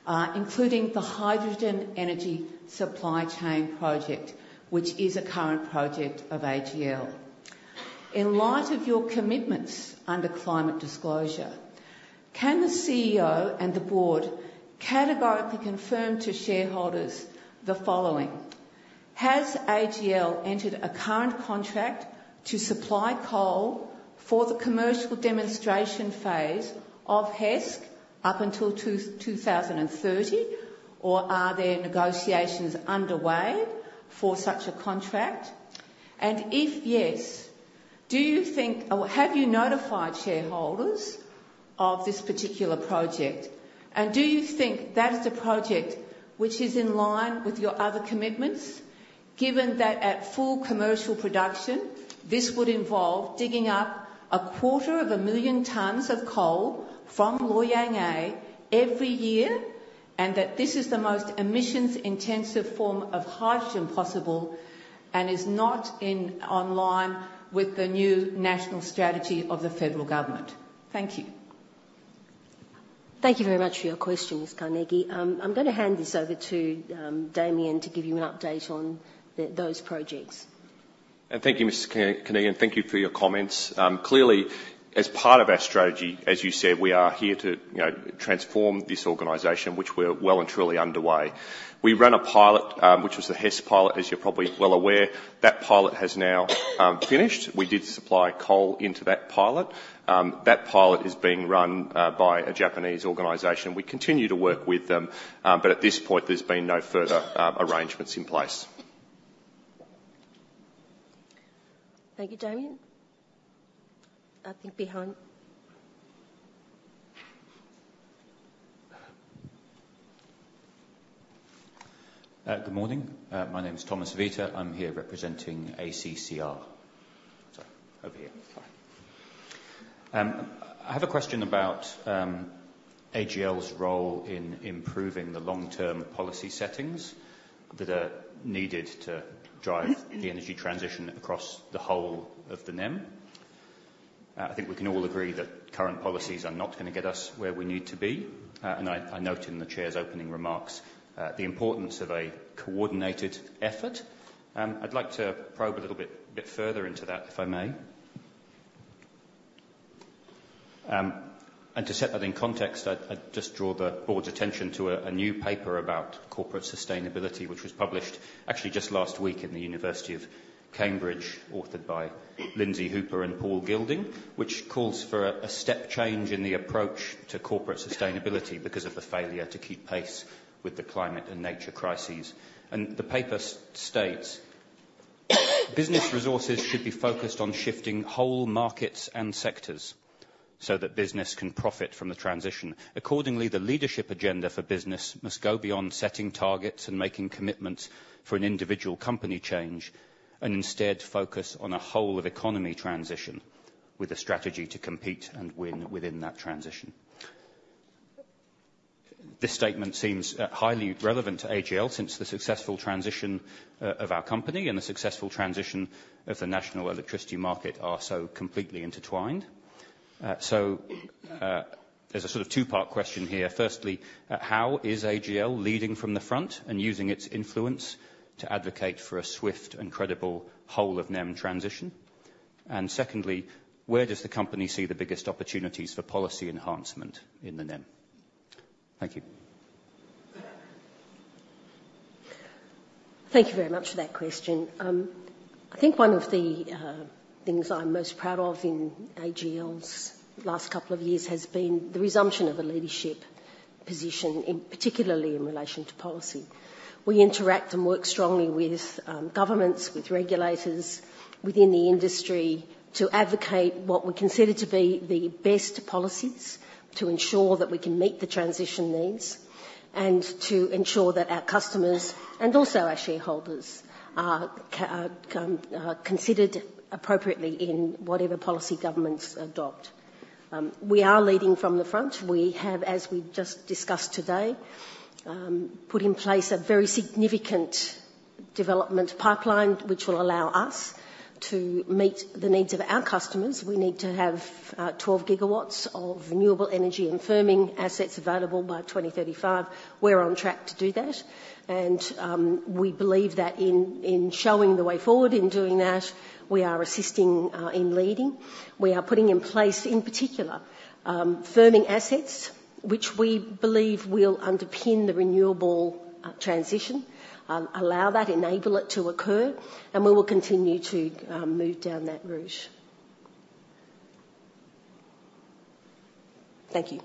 A, including the Hydrogen Energy Supply Chain project, which is a current project of AGL. In light of your commitments under climate disclosure, can the CEO and the board categorically confirm to shareholders the following: Has AGL entered a current contract to supply coal for the commercial demonstration phase of HESC up until 2030, or are there negotiations underway for such a contract? And if yes, do you think, or have you notified shareholders of this particular project, and do you think that is the project which is in line with your other commitments, given that at full commercial production, this would involve digging up a quarter of a million tons of coal from Loy Yang A every year, and that this is the most emissions-intensive form of hydrogen possible, and is not in line with the new national strategy of the federal government? Thank you. Thank you very much for your question, Ms. Carnegie. I'm gonna hand this over to Damien to give you an update on those projects. Thank you, Ms. Carnegie, and thank you for your comments. Clearly, as part of our strategy, as you said, we are here to, you know, transform this organization, which we're well and truly underway. We ran a pilot, which was the HESC pilot, as you're probably well aware. That pilot has now finished. We did supply coal into that pilot. That pilot is being run by a Japanese organization. We continue to work with them, but at this point, there's been no further arrangements in place. Thank you, Damien. I think behind. Good morning. My name is Thomas Vita. I'm here representing ACCR. Sorry, over here. Fine. I have a question about AGL's role in improving the long-term policy settings that are needed to drive the energy transition across the whole of the NEM. I think we can all agree that current policies are not gonna get us where we need to be, and I note in the Chair's opening remarks the importance of a coordinated effort. I'd like to probe a little bit further into that, if I may. And to set that in context, I'd just draw the Board's attention to a new paper about corporate sustainability, which was published actually just last week in the University of Cambridge, authored by Lindsay Hooper and Paul Gilding, which calls for a step change in the approach to corporate sustainability because of the failure to keep pace with the climate and nature crises. The paper states, "Business resources should be focused on shifting whole markets and sectors so that business can profit from the transition. Accordingly, the leadership agenda for business must go beyond setting targets and making commitments for an individual company change, and instead focus on a whole-of-economy transition with a strategy to compete and win within that transition." This statement seems highly relevant to AGL, since the successful transition of our company and the successful transition of the national electricity market are so completely intertwined. So, there's a sort of two-part question here. Firstly, how is AGL leading from the front and using its influence to advocate for a swift and credible whole of NEM transition? And secondly, where does the company see the biggest opportunities for policy enhancement in the NEM? Thank you. Thank you very much for that question. I think one of the things I'm most proud of in AGL's last couple of years has been the resumption of a leadership position, in particularly in relation to policy. We interact and work strongly with governments, with regulators within the industry to advocate what we consider to be the best policies to ensure that we can meet the transition needs, and to ensure that our customers and also our shareholders are considered appropriately in whatever policy governments adopt. We are leading from the front. We have, as we just discussed today, put in place a very significant development pipeline, which will allow us to meet the needs of our customers. We need to have 12 gigawatts of renewable energy and firming assets available by 2035. We're on track to do that, and we believe that in showing the way forward in doing that, we are assisting in leading. We are putting in place, in particular, firming assets, which we believe will underpin the renewable transition, allow that, enable it to occur, and we will continue to move down that route. Thank you.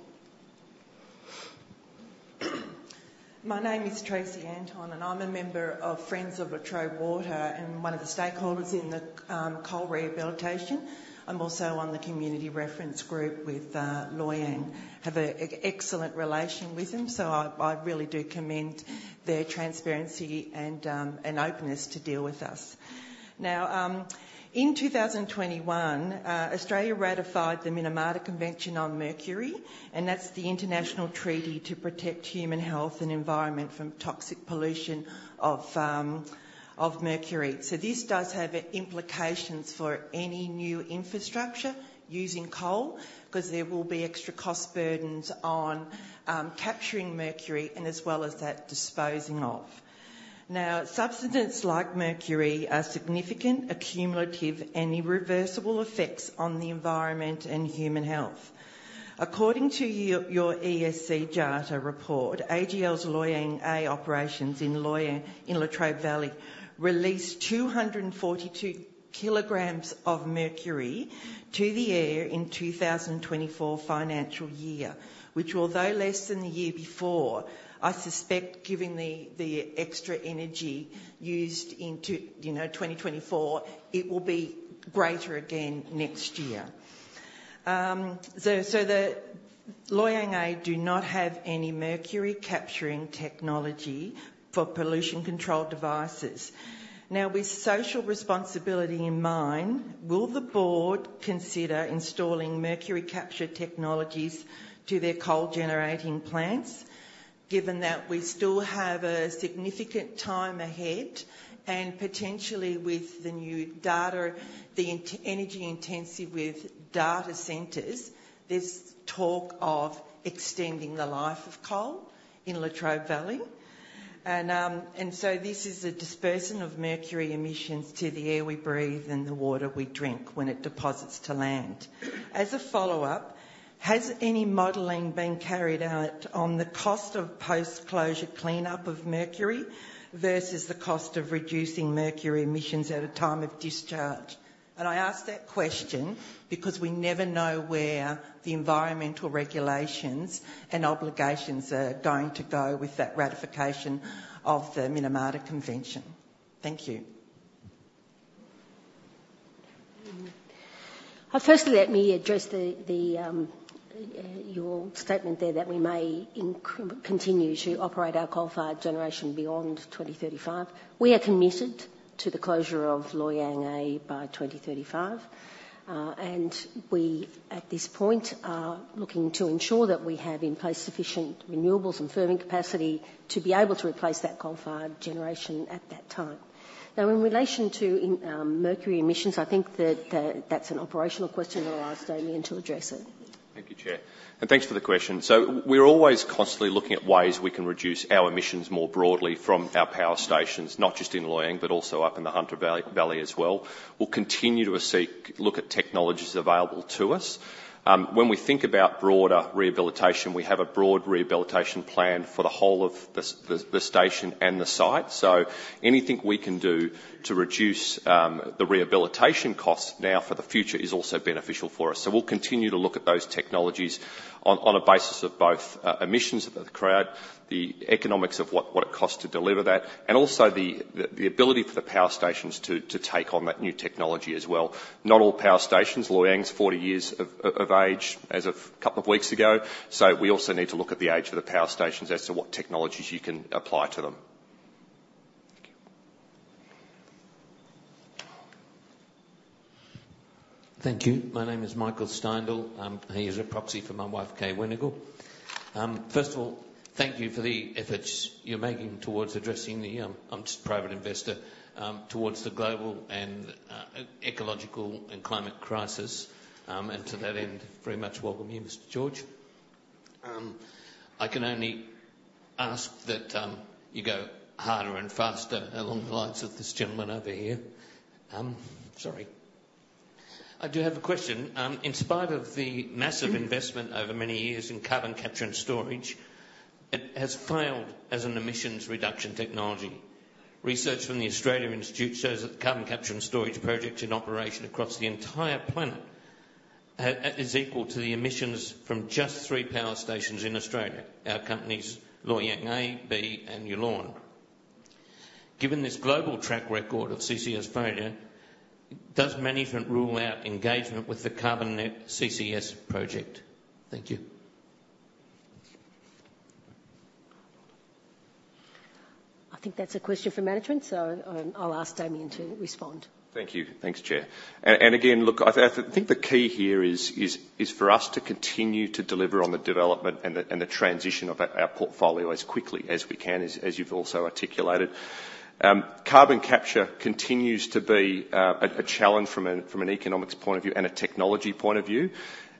My name is Tracey Anton, and I'm a member of Friends of Latrobe Water and one of the stakeholders in the coal rehabilitation. I'm also on the community reference group with Loy Yang. Have a excellent relation with them, so I really do commend their transparency and openness to deal with us. Now, in two thousand and twenty-one, Australia ratified the Minamata Convention on Mercury, and that's the international treaty to protect human health and environment from toxic pollution of mercury. So this does have implications for any new infrastructure using coal, 'cause there will be extra cost burdens on capturing mercury and as well as that, disposing of. Now, substances like mercury are significant, accumulative, and irreversible effects on the environment and human health. According to your ESG data report, AGL's Loy Yang A operations in Loy Yang, in Latrobe Valley, released 242 kilograms of mercury to the air in 2024 financial year, which although less than the year before, I suspect given the, the extra energy used in twenty twenty-four, you know, it will be greater again next year. So, so the Loy Yang A do not have any mercury-capturing technology for pollution control devices. Now, with social responsibility in mind, will the board consider installing mercury capture technologies to their coal-generating plants, given that we still have a significant time ahead and potentially with the new data, the energy-intensive with data centers, there's talk of extending the life of coal in Latrobe Valley. And so this is a dispersing of mercury emissions to the air we breathe and the water we drink when it deposits to land. As a follow-up, has any modeling been carried out on the cost of post-closure cleanup of mercury versus the cost of reducing mercury emissions at a time of discharge? I ask that question because we never know where the environmental regulations and obligations are going to go with that ratification of the Minamata Convention. Thank you. Firstly, let me address your statement there, that we may continue to operate our coal-fired generation beyond 2035. We are committed to the closure of Loy Yang A by 2035. And we, at this point, are looking to ensure that we have in place sufficient renewables and firming capacity to be able to replace that coal-fired generation at that time. Now, in relation to mercury emissions, I think that that's an operational question, and I'll ask Damien to address it. Thank you, Chair, and thanks for the question. So we're always constantly looking at ways we can reduce our emissions more broadly from our power stations, not just in Loy Yang, but also up in the Hunter Valley as well. We'll continue to look at technologies available to us. When we think about broader rehabilitation, we have a broad rehabilitation plan for the whole of the station and the site. So anything we can do to reduce the rehabilitation costs now for the future is also beneficial for us. So we'll continue to look at those technologies on a basis of both emissions and the cost, the economics of what it costs to deliver that, and also the ability for the power stations to take on that new technology as well. Not all power stations, Loy Yang's forty years of age as of couple of weeks ago, so we also need to look at the age of the power stations as to what technologies you can apply to them. Thank you. My name is Michael Steindl. I'm here as a proxy for my wife, Kay Wennagel. First of all, thank you for the efforts you're making towards addressing the, I'm just a private investor, towards the global and ecological and climate crisis, and to that end very much welcome you, Mr. George. I can only ask that you go harder and faster along the lines of this gentleman over here. Sorry. I do have a question. In spite of the massive investment over many years in carbon capture and storage, it has failed as an emissions reduction technology. Research from The Australia Institute shows that the carbon capture and storage projects in operation across the entire planet is equal to the emissions from just three power stations in Australia, our companies, Loy Yang A, B, and Yallourn. Given this global track record of CCS failure, does management rule out engagement with the CarbonNet CCS project? Thank you. I think that's a question for management, so I'll ask Damien to respond. Thank you. Thanks, Chair. And again, look, I think the key here is for us to continue to deliver on the development and the transition of our portfolio as quickly as we can, as you've also articulated. Carbon capture continues to be a challenge from an economics point of view and a technology point of view.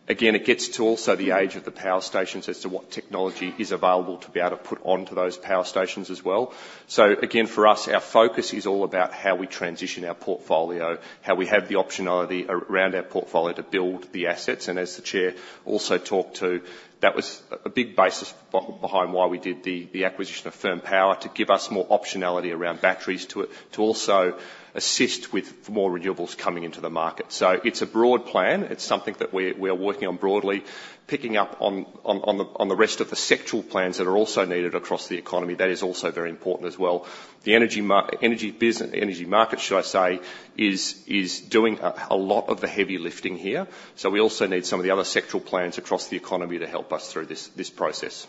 Again, it gets to also the age of the power stations as to what technology is available to be able to put onto those power stations as well. So again, for us, our focus is all about how we transition our portfolio, how we have the optionality around our portfolio to build the assets. As the chair also talked to, that was a big basis behind why we did the acquisition of Firm Power, to give us more optionality around batteries, to also assist with more renewables coming into the market. So it's a broad plan. It's something that we are working on broadly, picking up on the rest of the sectoral plans that are also needed across the economy. That is also very important as well. The energy market, should I say, is doing a lot of the heavy lifting here. So we also need some of the other sectoral plans across the economy to help us through this process.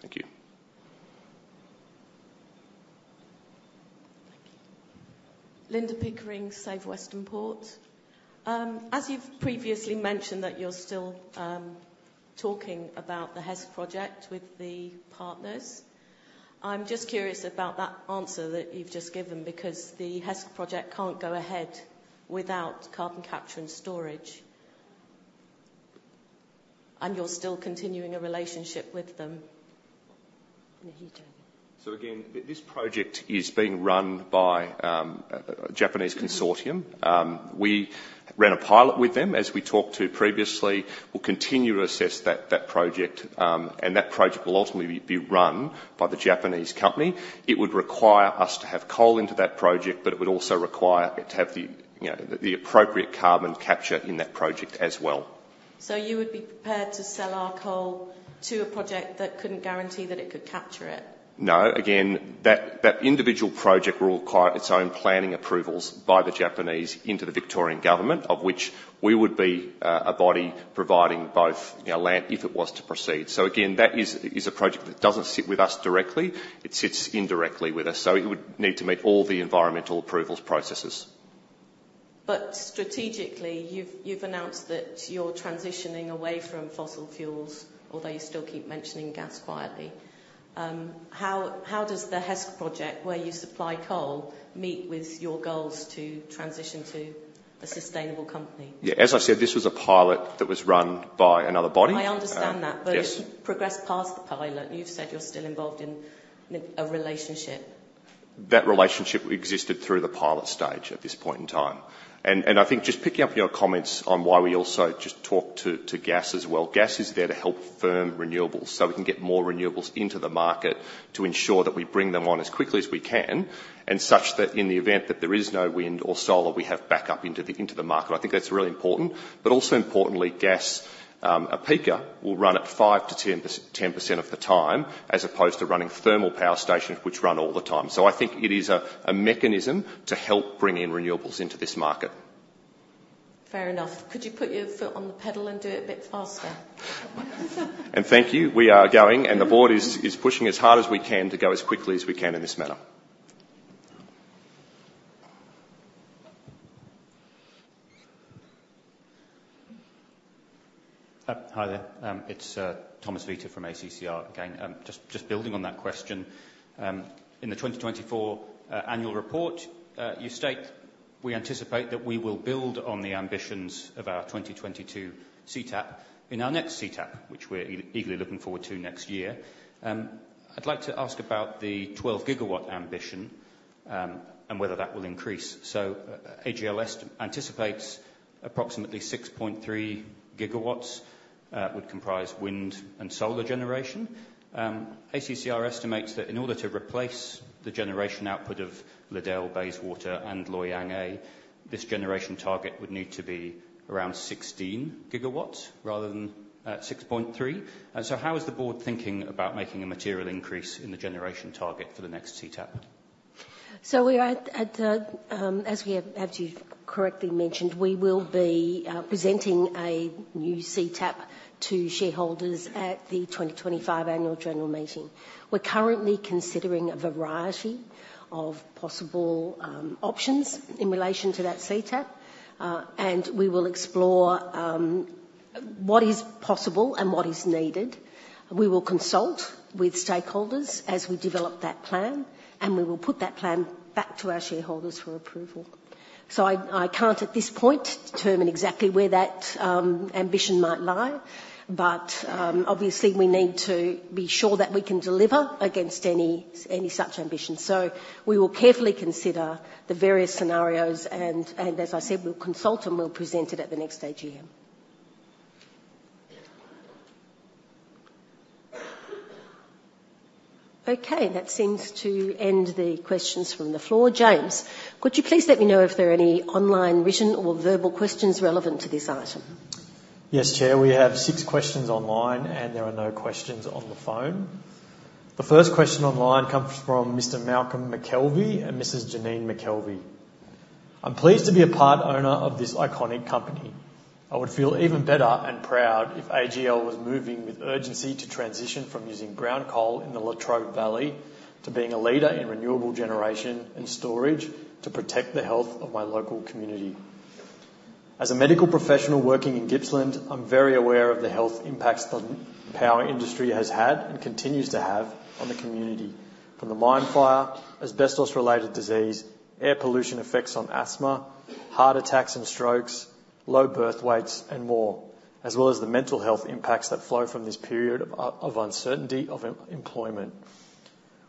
Thank you. Thank you. Linda Pickering, Save Westernport. As you've previously mentioned, that you're still talking about the HESC project with the partners, I'm just curious about that answer that you've just given, because the HESC project can't go ahead without carbon capture and storage. And you're still continuing a relationship with them. So again, this project is being run by a Japanese consortium. We ran a pilot with them, as we talked to previously. We'll continue to assess that project, and that project will ultimately be run by the Japanese company. It would require us to have coal into that project, but it would also require it to have the, you know, the appropriate carbon capture in that project as well. So you would be prepared to sell our coal to a project that couldn't guarantee that it could capture it? No. Again, that individual project will require its own planning approvals by the Japanese and to the Victorian government, of which we would be a body providing both, you know, land, if it was to proceed. So again, that is a project that doesn't sit with us directly. It sits indirectly with us, so it would need to meet all the environmental approvals processes. But strategically, you've announced that you're transitioning away from fossil fuels, although you still keep mentioning gas quietly. How does the HESC project, where you supply coal, meet with your goals to transition to a sustainable company? Yeah, as I said, this was a pilot that was run by another body. I understand that. Yes But it's progressed past the pilot. You've said you're still involved in a relationship. That relationship existed through the pilot stage at this point in time. I think just picking up your comments on why we also just talked to gas as well, gas is there to help firm renewables so we can get more renewables into the market to ensure that we bring them on as quickly as we can, and such that in the event that there is no wind or solar, we have backup into the market. I think that's really important, but also importantly, gas, a peaker, will run at 5%-10% of the time, as opposed to running thermal power stations, which run all the time. So I think it is a mechanism to help bring in renewables into this market. Fair enough. Could you put your foot on the pedal and do it a bit faster? Thank you. We are going, and the board is pushing as hard as we can to go as quickly as we can in this manner. Hi there. It's Thomas Vita from ACCR. Again, just building on that question, in the 2024 annual report, you state: "We anticipate that we will build on the ambitions of our 2022 CTAP in our next CTAP," which we're eagerly looking forward to next year. I'd like to ask about the 12-gigawatt ambition, and whether that will increase. So, AGL's anticipates approximately 6.3 gigawatts would comprise wind and solar generation. ACCR estimates that in order to replace the generation output of Liddell, Bayswater, and Loy Yang A, this generation target would need to be around 16 gigawatts rather than 6.3 gigawatts. And so how is the board thinking about making a material increase in the generation target for the next CTAP? So we are at the as we have, as you've correctly mentioned, we will be presenting a new CTAP to shareholders at the 2025 annual general meeting. We're currently considering a variety of possible options in relation to that CTAP, and we will explore what is possible and what is needed. We will consult with stakeholders as we develop that plan, and we will put that plan back to our shareholders for approval. So I can't, at this point, determine exactly where that ambition might lie, but obviously, we need to be sure that we can deliver against any such ambition. So we will carefully consider the various scenarios, and as I said, we'll consult and we'll present it at the next AGM. Okay, that seems to end the questions from the floor. James, could you please let me know if there are any online, written, or verbal questions relevant to this item? Yes, Chair. We have six questions online, and there are no questions on the phone. The first question online comes from Mr. Malcolm McKelvey and Mrs. Janine McKelvey: I'm pleased to be a part-owner of this iconic company. I would feel even better and proud if AGL was moving with urgency to transition from using brown coal in the Latrobe Valley to being a leader in renewable generation and storage to protect the health of my local community. As a medical professional working in Gippsland, I'm very aware of the health impacts the power industry has had and continues to have on the community, from the mine fire, asbestos-related disease, air pollution effects on asthma, heart attacks and strokes, low birth weights, and more, as well as the mental health impacts that flow from this period of uncertainty of employment.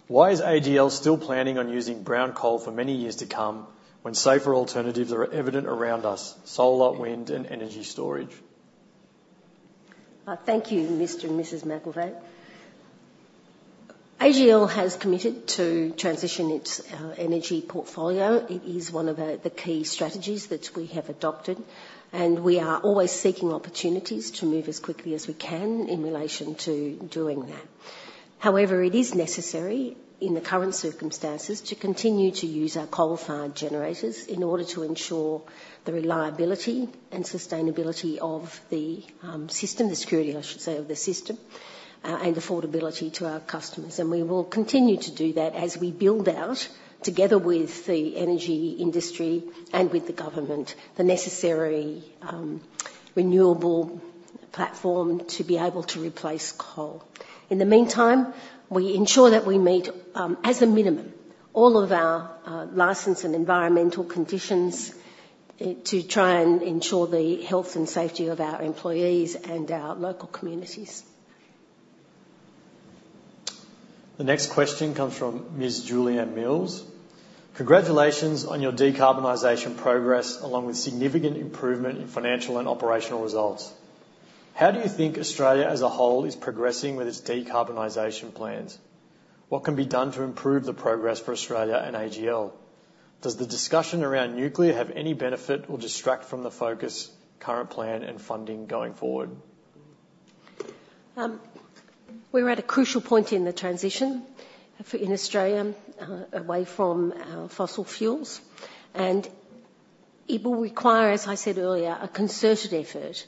Why is AGL still planning on using brown coal for many years to come, when safer alternatives are evident around us: solar, wind, and energy storage? Thank you, Mr. and Mrs. McKelvey. AGL has committed to transition its energy portfolio. It is one of the key strategies that we have adopted, and we are always seeking opportunities to move as quickly as we can in relation to doing that. However, it is necessary, in the current circumstances, to continue to use our coal-fired generators in order to ensure the reliability and sustainability of the system, the security, I should say, of the system, and affordability to our customers. And we will continue to do that as we build out, together with the energy industry and with the government, the necessary renewable platform to be able to replace coal. In the meantime, we ensure that we meet, as a minimum, all of our license and environmental conditions, to try and ensure the health and safety of our employees and our local communities. The next question comes from Ms. Julianne Mills: Congratulations on your decarbonization progress, along with significant improvement in financial and operational results. How do you think Australia as a whole is progressing with its decarbonization plans? What can be done to improve the progress for Australia and AGL? Does the discussion around nuclear have any benefit or distract from the focus, current plan, and funding going forward? We're at a crucial point in the transition for in Australia, away from our fossil fuels, and it will require, as I said earlier, a concerted effort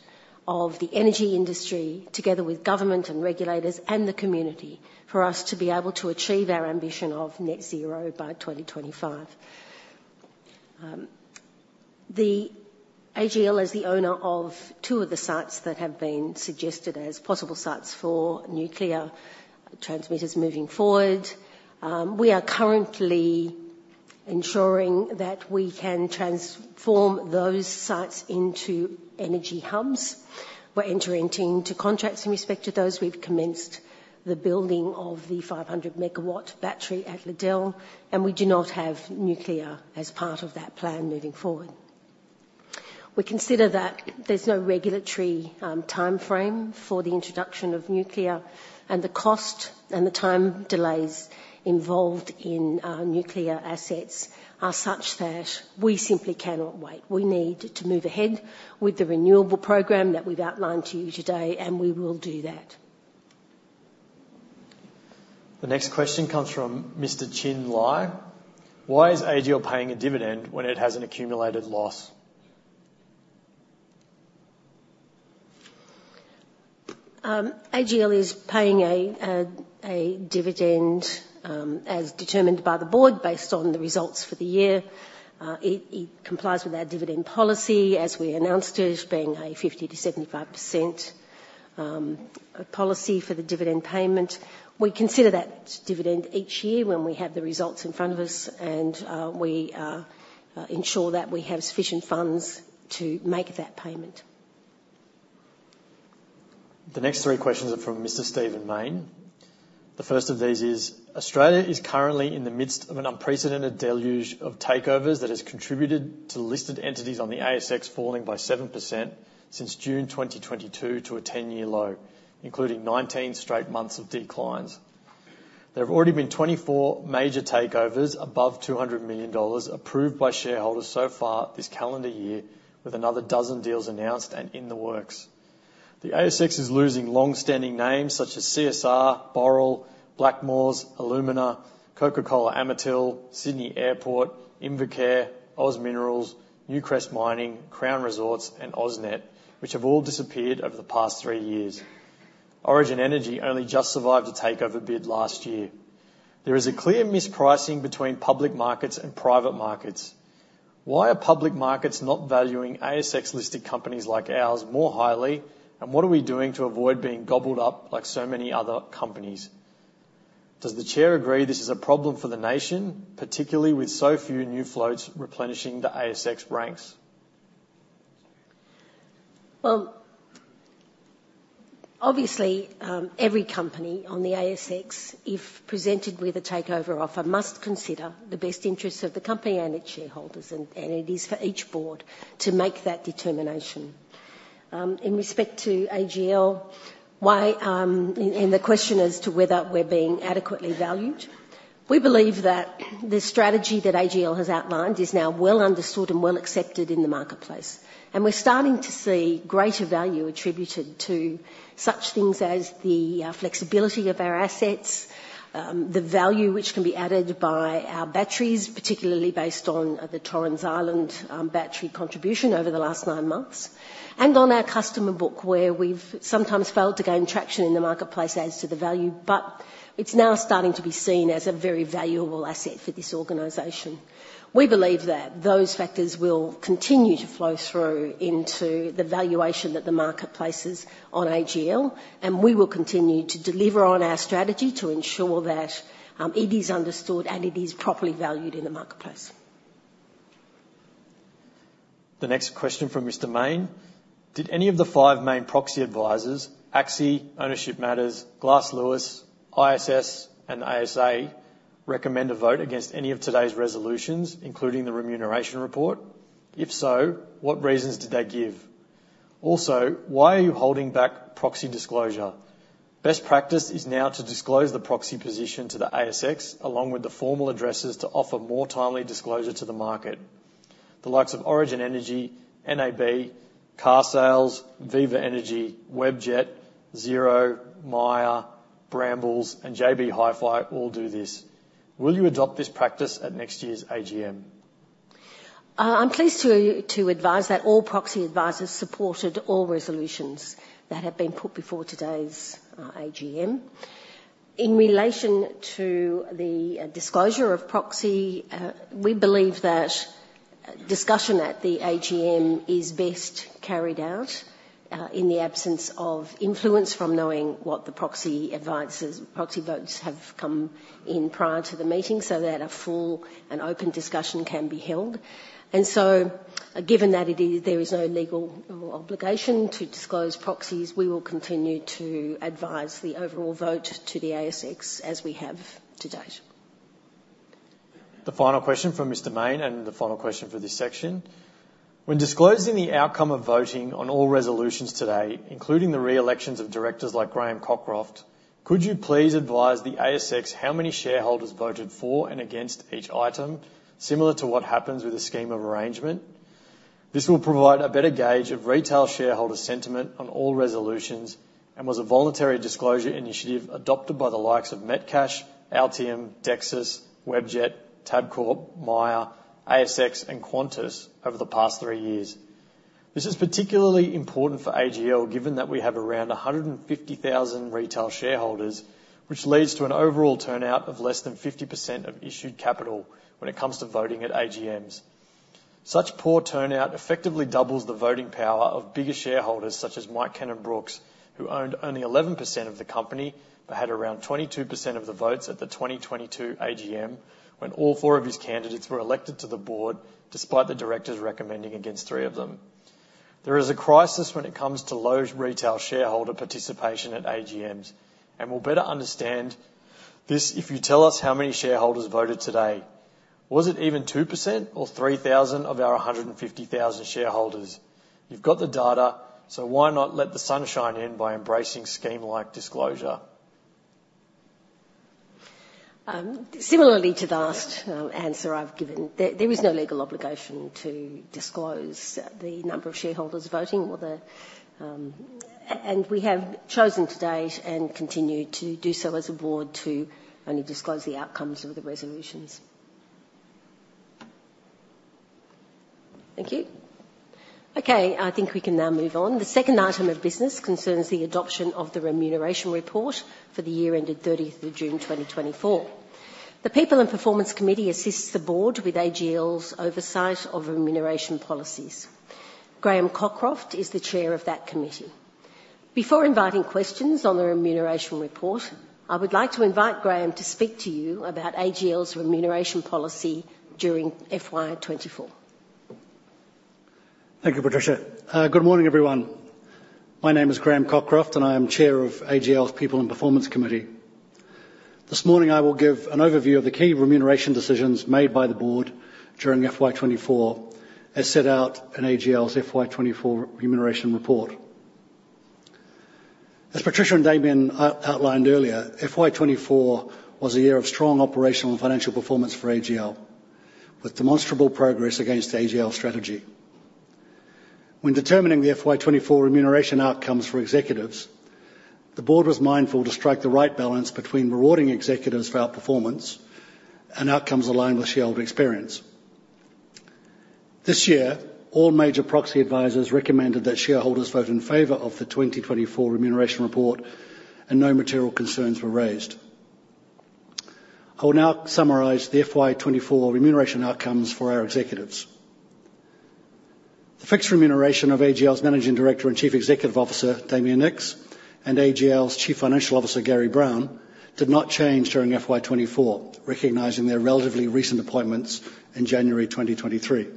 of the energy industry, together with government and regulators and the community, for us to be able to achieve our ambition of Net Zero by 2025. AGL is the owner of two of the sites that have been suggested as possible sites for nuclear transmitters moving forward. We are currently ensuring that we can transform those sites into energy hubs. We're entering into contracts in respect to those. We've commenced the building of the 500-megawatt battery at Liddell, and we do not have nuclear as part of that plan moving forward. We consider that there's no regulatory timeframe for the introduction of nuclear, and the cost and the time delays involved in nuclear assets are such that we simply cannot wait. We need to move ahead with the renewable program that we've outlined to you today, and we will do that. The next question comes from Mr. Chin Lai: Why is AGL paying a dividend when it has an accumulated loss? AGL is paying a dividend as determined by the board, based on the results for the year. It complies with our dividend policy, as we announced it, being a 50%-75% policy for the dividend payment. We consider that dividend each year when we have the results in front of us, and we ensure that we have sufficient funds to make that payment. The next three questions are from Mr. Stephen Mayne. The first of these is: Australia is currently in the midst of an unprecedented deluge of takeovers that has contributed to listed entities on the ASX falling by 7% since June 2022 to a ten-year low, including 19 straight months of declines. There have already been 24 major takeovers above 200 million dollars approved by shareholders so far this calendar year, with another dozen deals announced and in the works. The ASX is losing long-standing names such as CSR, Boral, Blackmores, Alumina, Coca-Cola Amatil, Sydney Airport, InvoCare, OZ Minerals, Newcrest Mining, Crown Resorts, and AusNet, which have all disappeared over the past three years. Origin Energy only just survived a takeover bid last year. There is a clear mispricing between public markets and private markets. Why are public markets not valuing ASX-listed companies like ours more highly, and what are we doing to avoid being gobbled up like so many other companies? Does the Chair agree this is a problem for the nation, particularly with so few new floats replenishing the ASX ranks? Obviously, every company on the ASX, if presented with a takeover offer, must consider the best interests of the company and its shareholders, and it is for each board to make that determination. In respect to AGL and the question as to whether we're being adequately valued, we believe that the strategy that AGL has outlined is now well understood and well accepted in the marketplace. We're starting to see greater value attributed to such things as the flexibility of our assets, the value which can be added by our batteries, particularly based on the Torrens Island Battery contribution over the last nine months, and on our customer book, where we've sometimes failed to gain traction in the marketplace as to the value, but it's now starting to be seen as a very valuable asset for this organization. We believe that those factors will continue to flow through into the valuation that the market places on AGL, and we will continue to deliver on our strategy to ensure that it is understood, and it is properly valued in the marketplace. The next question from Mr. Mayne: Did any of the five main proxy advisors, ACSI, Ownership Matters, Glass Lewis, ISS, and ASA, recommend a vote against any of today's resolutions, including the remuneration report? If so, what reasons did they give? Also, why are you holding back proxy disclosure? Best practice is now to disclose the proxy position to the ASX, along with the formal addresses, to offer more timely disclosure to the market. The likes of Origin Energy, NAB, Carsales, Viva Energy, Webjet, Xero, Myer, Brambles, and JB Hi-Fi all do this. Will you adopt this practice at next year's AGM? I'm pleased to advise that all proxy advisors supported all resolutions that have been put before today's AGM. In relation to the disclosure of proxy, we believe that discussion at the AGM is best carried out in the absence of influence from knowing what the proxy advisors' proxy votes have come in prior to the meeting, so that a full and open discussion can be held. Given that there is no legal obligation to disclose proxies, we will continue to advise the overall vote to the ASX as we have to date. The final question from Mr. Mayne, and the final question for this section: When disclosing the outcome of voting on all resolutions today, including the reelections of directors Graham Cockroft, could you please advise the ASX how many shareholders voted for and against each item, similar to what happens with a scheme of arrangement? This will provide a better gauge of retail shareholder sentiment on all resolutions, and was a voluntary disclosure initiative adopted by the likes of Metcash, Altium, Dexus, Webjet, Tabcorp, Myer, ASX, and Qantas over the past three years. This is particularly important for AGL, given that we have around 150,000 retail shareholders, which leads to an overall turnout of less than 50% of issued capital when it comes to voting at AGMs. Such poor turnout effectively doubles the voting power of bigger shareholders, such as Mike Cannon-Brookes, who owned only 11% of the company, but had around 22% of the votes at the 2022 AGM, when all four of his candidates were elected to the board, despite the directors recommending against three of them. There is a crisis when it comes to low retail shareholder participation at AGMs, and we'll better understand this if you tell us how many shareholders voted today. Was it even 2% or 3,000 of our 150,000 shareholders? You've got the data, so why not let the sun shine in by embracing scheme-like disclosure? Similarly to the last answer I've given, there is no legal obligation to disclose the number of shareholders voting or the, and we have chosen to date and continue to do so as a board, to only disclose the outcomes of the resolutions. Thank you. Okay, I think we can now move on. The second item of business concerns the adoption of the remuneration report for the year ended thirtieth of June, twenty twenty-four. The People and Performance Committee assists the board with AGL's oversight of remuneration Graham Cockroft is the chair of that committee. Before inviting questions on the remuneration report, I would like to invite Graham to speak to you about AGL's remuneration policy during FY 2024. Thank you, Patricia. Good morning, everyone. My name Graham Cockroft, and I am Chair of AGL's People and Performance Committee. This morning, I will give an overview of the key remuneration decisions made by the board during FY 2024, as set out in AGL's FY 2024 remuneration report. As Patricia and Damien outlined earlier, FY 2024 was a year of strong operational and financial performance for AGL, with demonstrable progress against the AGL strategy. When determining the FY 2024 remuneration outcomes for executives, the board was mindful to strike the right balance between rewarding executives for our performance and outcomes aligned with shareholder experience. This year, all major proxy advisors recommended that shareholders vote in favor of the twenty twenty-four remuneration report, and no material concerns were raised. I will now summarize the FY 2024 remuneration outcomes for our executives. The fixed remuneration of AGL's Managing Director and Chief Executive Officer, Damien Nicks, and AGL's Chief Financial Officer, Gary Brown, did not change during FY 2024, recognizing their relatively recent appointments in January 2023.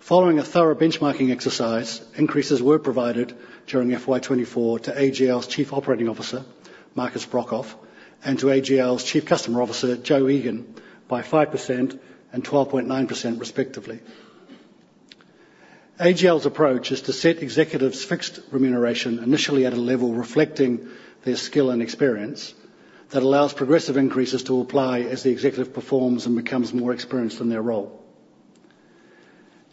Following a thorough benchmarking exercise, increases were provided during FY 2024 to AGL's Chief Operating Officer, Markus Brokhof, and to AGL's Chief Customer Officer, Jo Egan, by 5% and 12.9%, respectively. AGL's approach is to set executives' fixed remuneration initially at a level reflecting their skill and experience that allows progressive increases to apply as the executive performs and becomes more experienced in their role.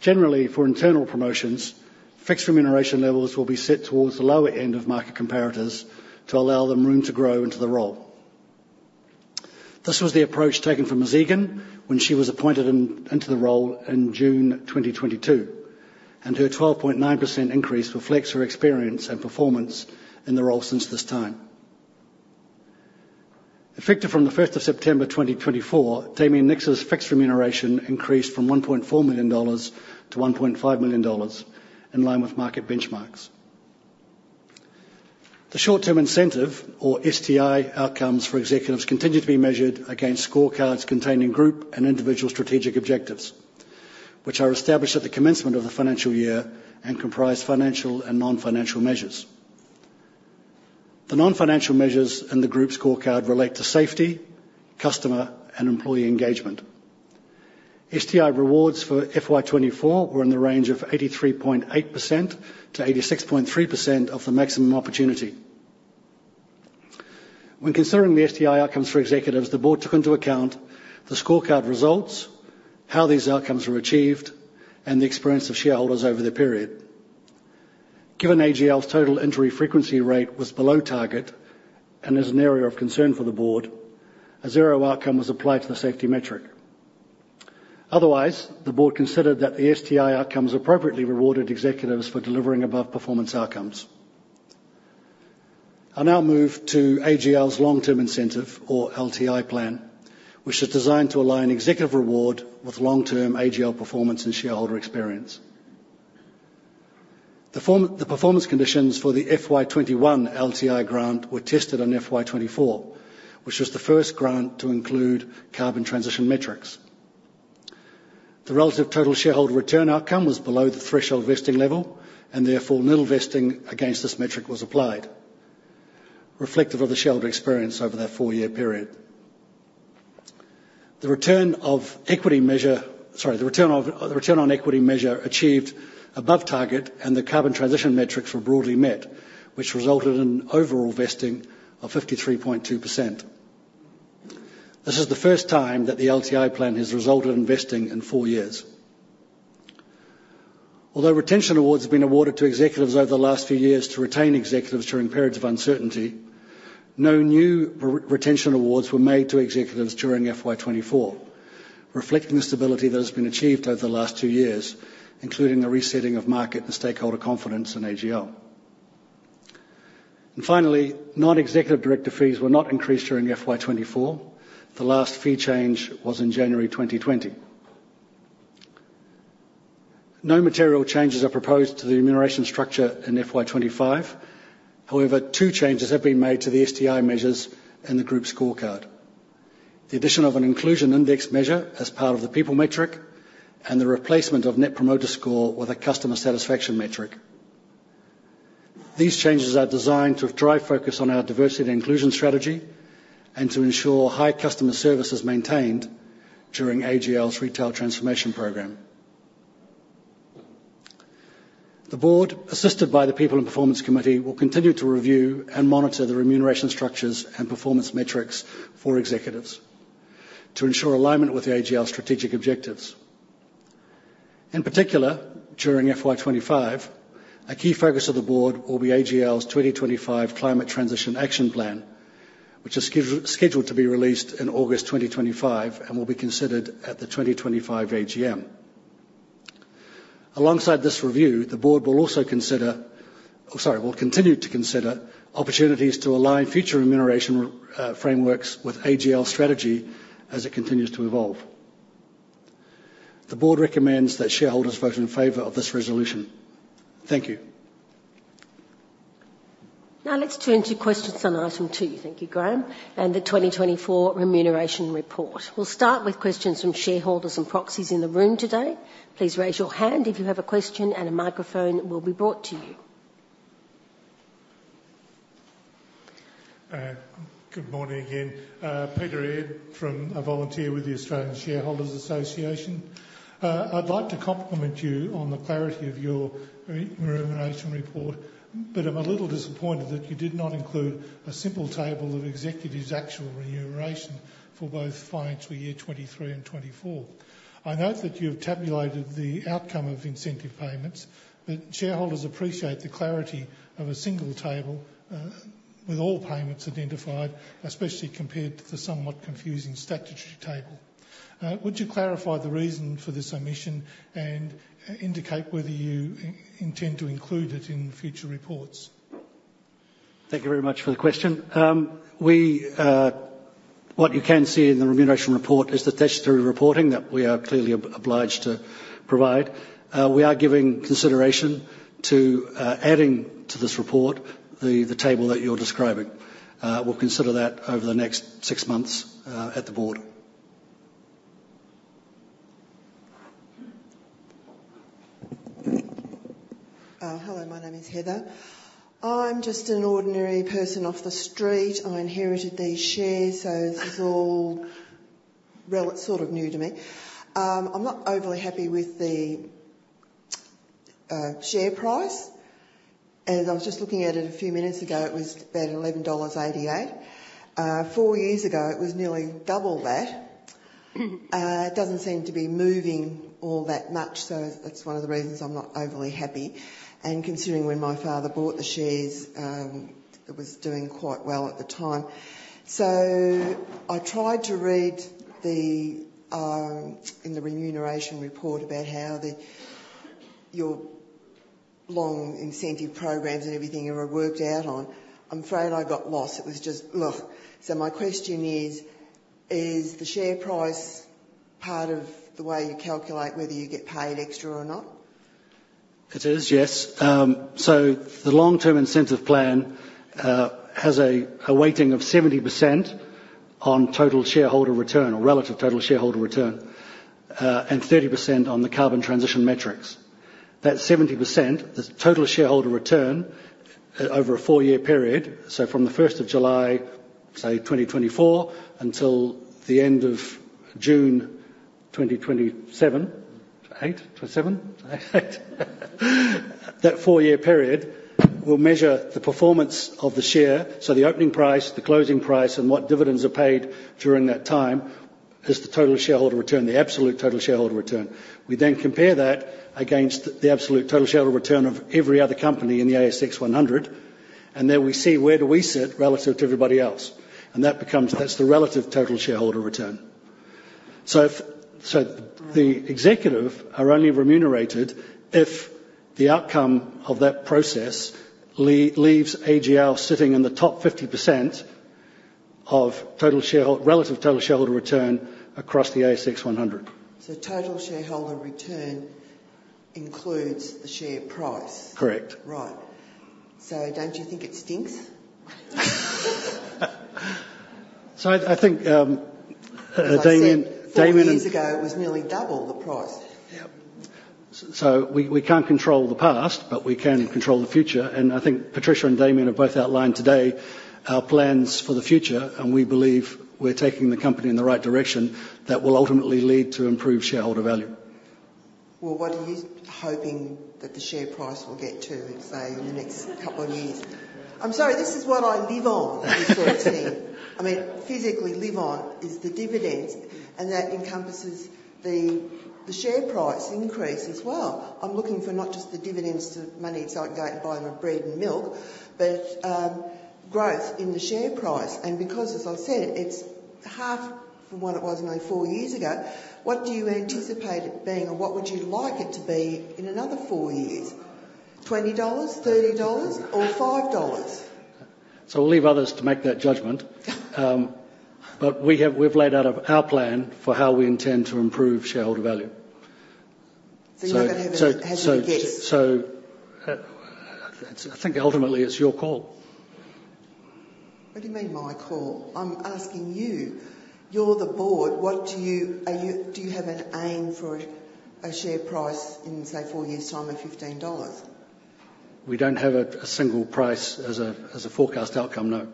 Generally, for internal promotions, fixed remuneration levels will be set towards the lower end of market comparators to allow them room to grow into the role. This was the approach taken from Ms. Egan when she was appointed into the role in June 2022, and her 12.9% increase reflects her experience and performance in the role since this time. Effective from the first of September 2024, Damien Nicks's fixed remuneration increased from 1.4 million dollars to 1.5 million dollars, in line with market benchmarks. The short-term incentive, or STI outcomes for executives, continue to be measured against scorecards containing group and individual strategic objectives, which are established at the commencement of the financial year and comprise financial and non-financial measures. The non-financial measures in the group scorecard relate to safety, customer, and employee engagement. STI rewards for FY 2024 were in the range of 83.8% to 86.3% of the maximum opportunity. When considering the STI outcomes for executives, the board took into account the scorecard results, how these outcomes were achieved, and the experience of shareholders over the period. Given AGL's Total Injury Frequency Rate was below target, and is an area of concern for the board, a zero outcome was applied to the safety metric. Otherwise, the board considered that the STI outcomes appropriately rewarded executives for delivering above performance outcomes. I'll now move to AGL's long-term incentive, or LTI plan, which is designed to align executive reward with long-term AGL performance and shareholder experience. The performance conditions for the FY 2021 LTI grant were tested on FY 2024, which was the first grant to include carbon transition metrics. The relative total shareholder return outcome was below the threshold vesting level, and therefore little vesting against this metric was applied, reflective of the shareholder experience over that four-year period. The return on equity measure achieved above target, and the carbon transition metrics were broadly met, which resulted in overall vesting of 53.2%. This is the first time that the LTI plan has resulted in vesting in four years. Although retention awards have been awarded to executives over the last few years to retain executives during periods of uncertainty, no new re-retention awards were made to executives during FY 2024, reflecting the stability that has been achieved over the last two years, including the resetting of market and stakeholder confidence in AGL. Finally, non-executive director fees were not increased during FY 2024. The last fee change was in January 2020. No material changes are proposed to the remuneration structure in FY 2025. However, two changes have been made to the STI measures and the group scorecard: the addition of an inclusion index measure as part of the people metric, and the replacement of Net Promoter Score with a customer satisfaction metric. These changes are designed to drive focus on our diversity and inclusion strategy, and to ensure high customer service is maintained during AGL's Retail Transformation Program. The board, assisted by the People and Performance Committee, will continue to review and monitor the remuneration structures and performance metrics for executives to ensure alignment with the AGL's strategic objectives. In particular, during FY 2025, a key focus of the board will be AGL's 2025 Climate Transition Action Plan, which is scheduled to be released in August 2025 and will be considered at the 2025 AGM. Alongside this review, the board will also consider... Oh, sorry, will continue to consider opportunities to align future remuneration frameworks with AGL strategy as it continues to evolve. The board recommends that shareholders vote in favor of this resolution. Thank you. Now, let's turn to questions on item two. Thank you, Graham, and the 2024 Remuneration Report. We'll start with questions from shareholders and proxies in the room today. Please raise your hand if you have a question, and a microphone will be brought to you. Good morning again. Peter Aird, a Volunteer with the Australian Shareholders' Association. I'd like to compliment you on the clarity of your remuneration report, but I'm a little disappointed that you did not include a simple table of executives' actual remuneration for both financial year 2023 and 2024. I note that you have tabulated the outcome of incentive payments, but shareholders appreciate the clarity of a single table, with all payments identified, especially compared to the somewhat confusing statutory table. Would you clarify the reason for this omission and indicate whether you intend to include it in future reports? Thank you very much for the question. What you can see in the remuneration report is the statutory reporting that we are clearly obliged to provide. We are giving consideration to adding to this report, the table that you're describing. We'll consider that over the next six months, at the board. Hello, my name is Heather. I'm just an ordinary person off the street. I inherited these shares, so this is all relatively sort of new to me. I'm not overly happy with the share price, and I was just looking at it a few minutes ago. It was about 11.88 dollars. Four years ago, it was nearly double that. It doesn't seem to be moving all that much, so that's one of the reasons I'm not overly happy. Considering when my father bought the shares, it was doing quite well at the time. I tried to read in the remuneration report about how your long incentive programs and everything are worked out on. I'm afraid I got lost. It was just ugh. My question is, is the share price- part of the way you calculate whether you get paid extra or not? It is, yes. So the long-term incentive plan has a weighting of 70% on total shareholder return or relative total shareholder return, and 30% on the carbon transition metrics. That 70%, the total shareholder return, over a four-year period, so from the first of July, say 2024 until the end of June 2028. That four-year period will measure the performance of the share. So the opening price, the closing price, and what dividends are paid during that time is the total shareholder return, the absolute total shareholder return. We then compare that against the absolute total shareholder return of every other company in the ASX 100, and then we see where do we sit relative to everybody else. That becomes, that's the relative total shareholder return. So the executives are only remunerated if the outcome of that process leaves AGL sitting in the top 50% of relative total shareholder return across the ASX 100. So total shareholder return includes the share price? Correct. Right. So don't you think it stinks? I think, Damien- Four years ago, it was nearly double the price. Yep. So, we can't control the past, but we can control the future, and I think Patricia and Damien have both outlined today our plans for the future, and we believe we're taking the company in the right direction that will ultimately lead to improved shareholder value. What are you hoping that the share price will get to, in say, in the next couple of years? I'm sorry, this is what I live on, this sort of thing. I mean, physically live on, is the dividends, and that encompasses the, the share price increase as well. I'm looking for not just the dividends to money, so I can go out and buy my bread and milk, but, growth in the share price. And because, as I said, it's half from what it was only four years ago, what do you anticipate it being, or what would you like it to be in another four years? 20 dollars, 30 dollars, or 5 dollars? So we'll leave others to make that judgment. But we've laid out our plan for how we intend to improve shareholder value. So you don't have a guess? I think ultimately, it's your call. What do you mean, my call? I'm asking you. You're the board, what do you... Are you, do you have an aim for a share price in, say, four years' time of 15 dollars? We don't have a single price as a forecast outcome, no.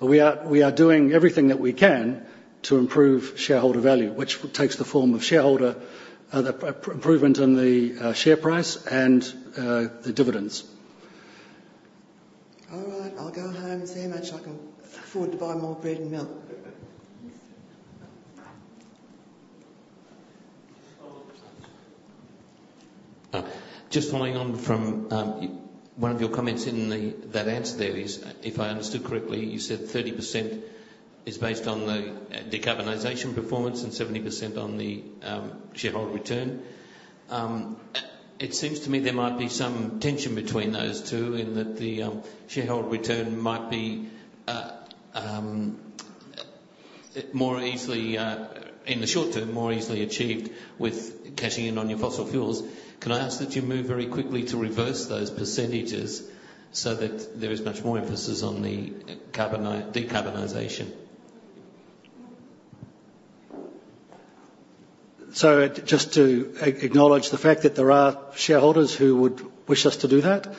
But we are doing everything that we can to improve shareholder value, which takes the form of shareholder improvement in the share price and the dividends. All right. I'll go home and see how much I can afford to buy more bread and milk. Just following on from one of your comments in that answer there is, if I understood correctly, you said 30% is based on the decarbonization performance and 70% on the shareholder return. It seems to me there might be some tension between those two, in that the shareholder return might be more easily, in the short term, more easily achieved with cashing in on your fossil fuels. Can I ask that you move very quickly to reverse those percentages so that there is much more emphasis on the decarbonization? So just to acknowledge the fact that there are shareholders who would wish us to do that,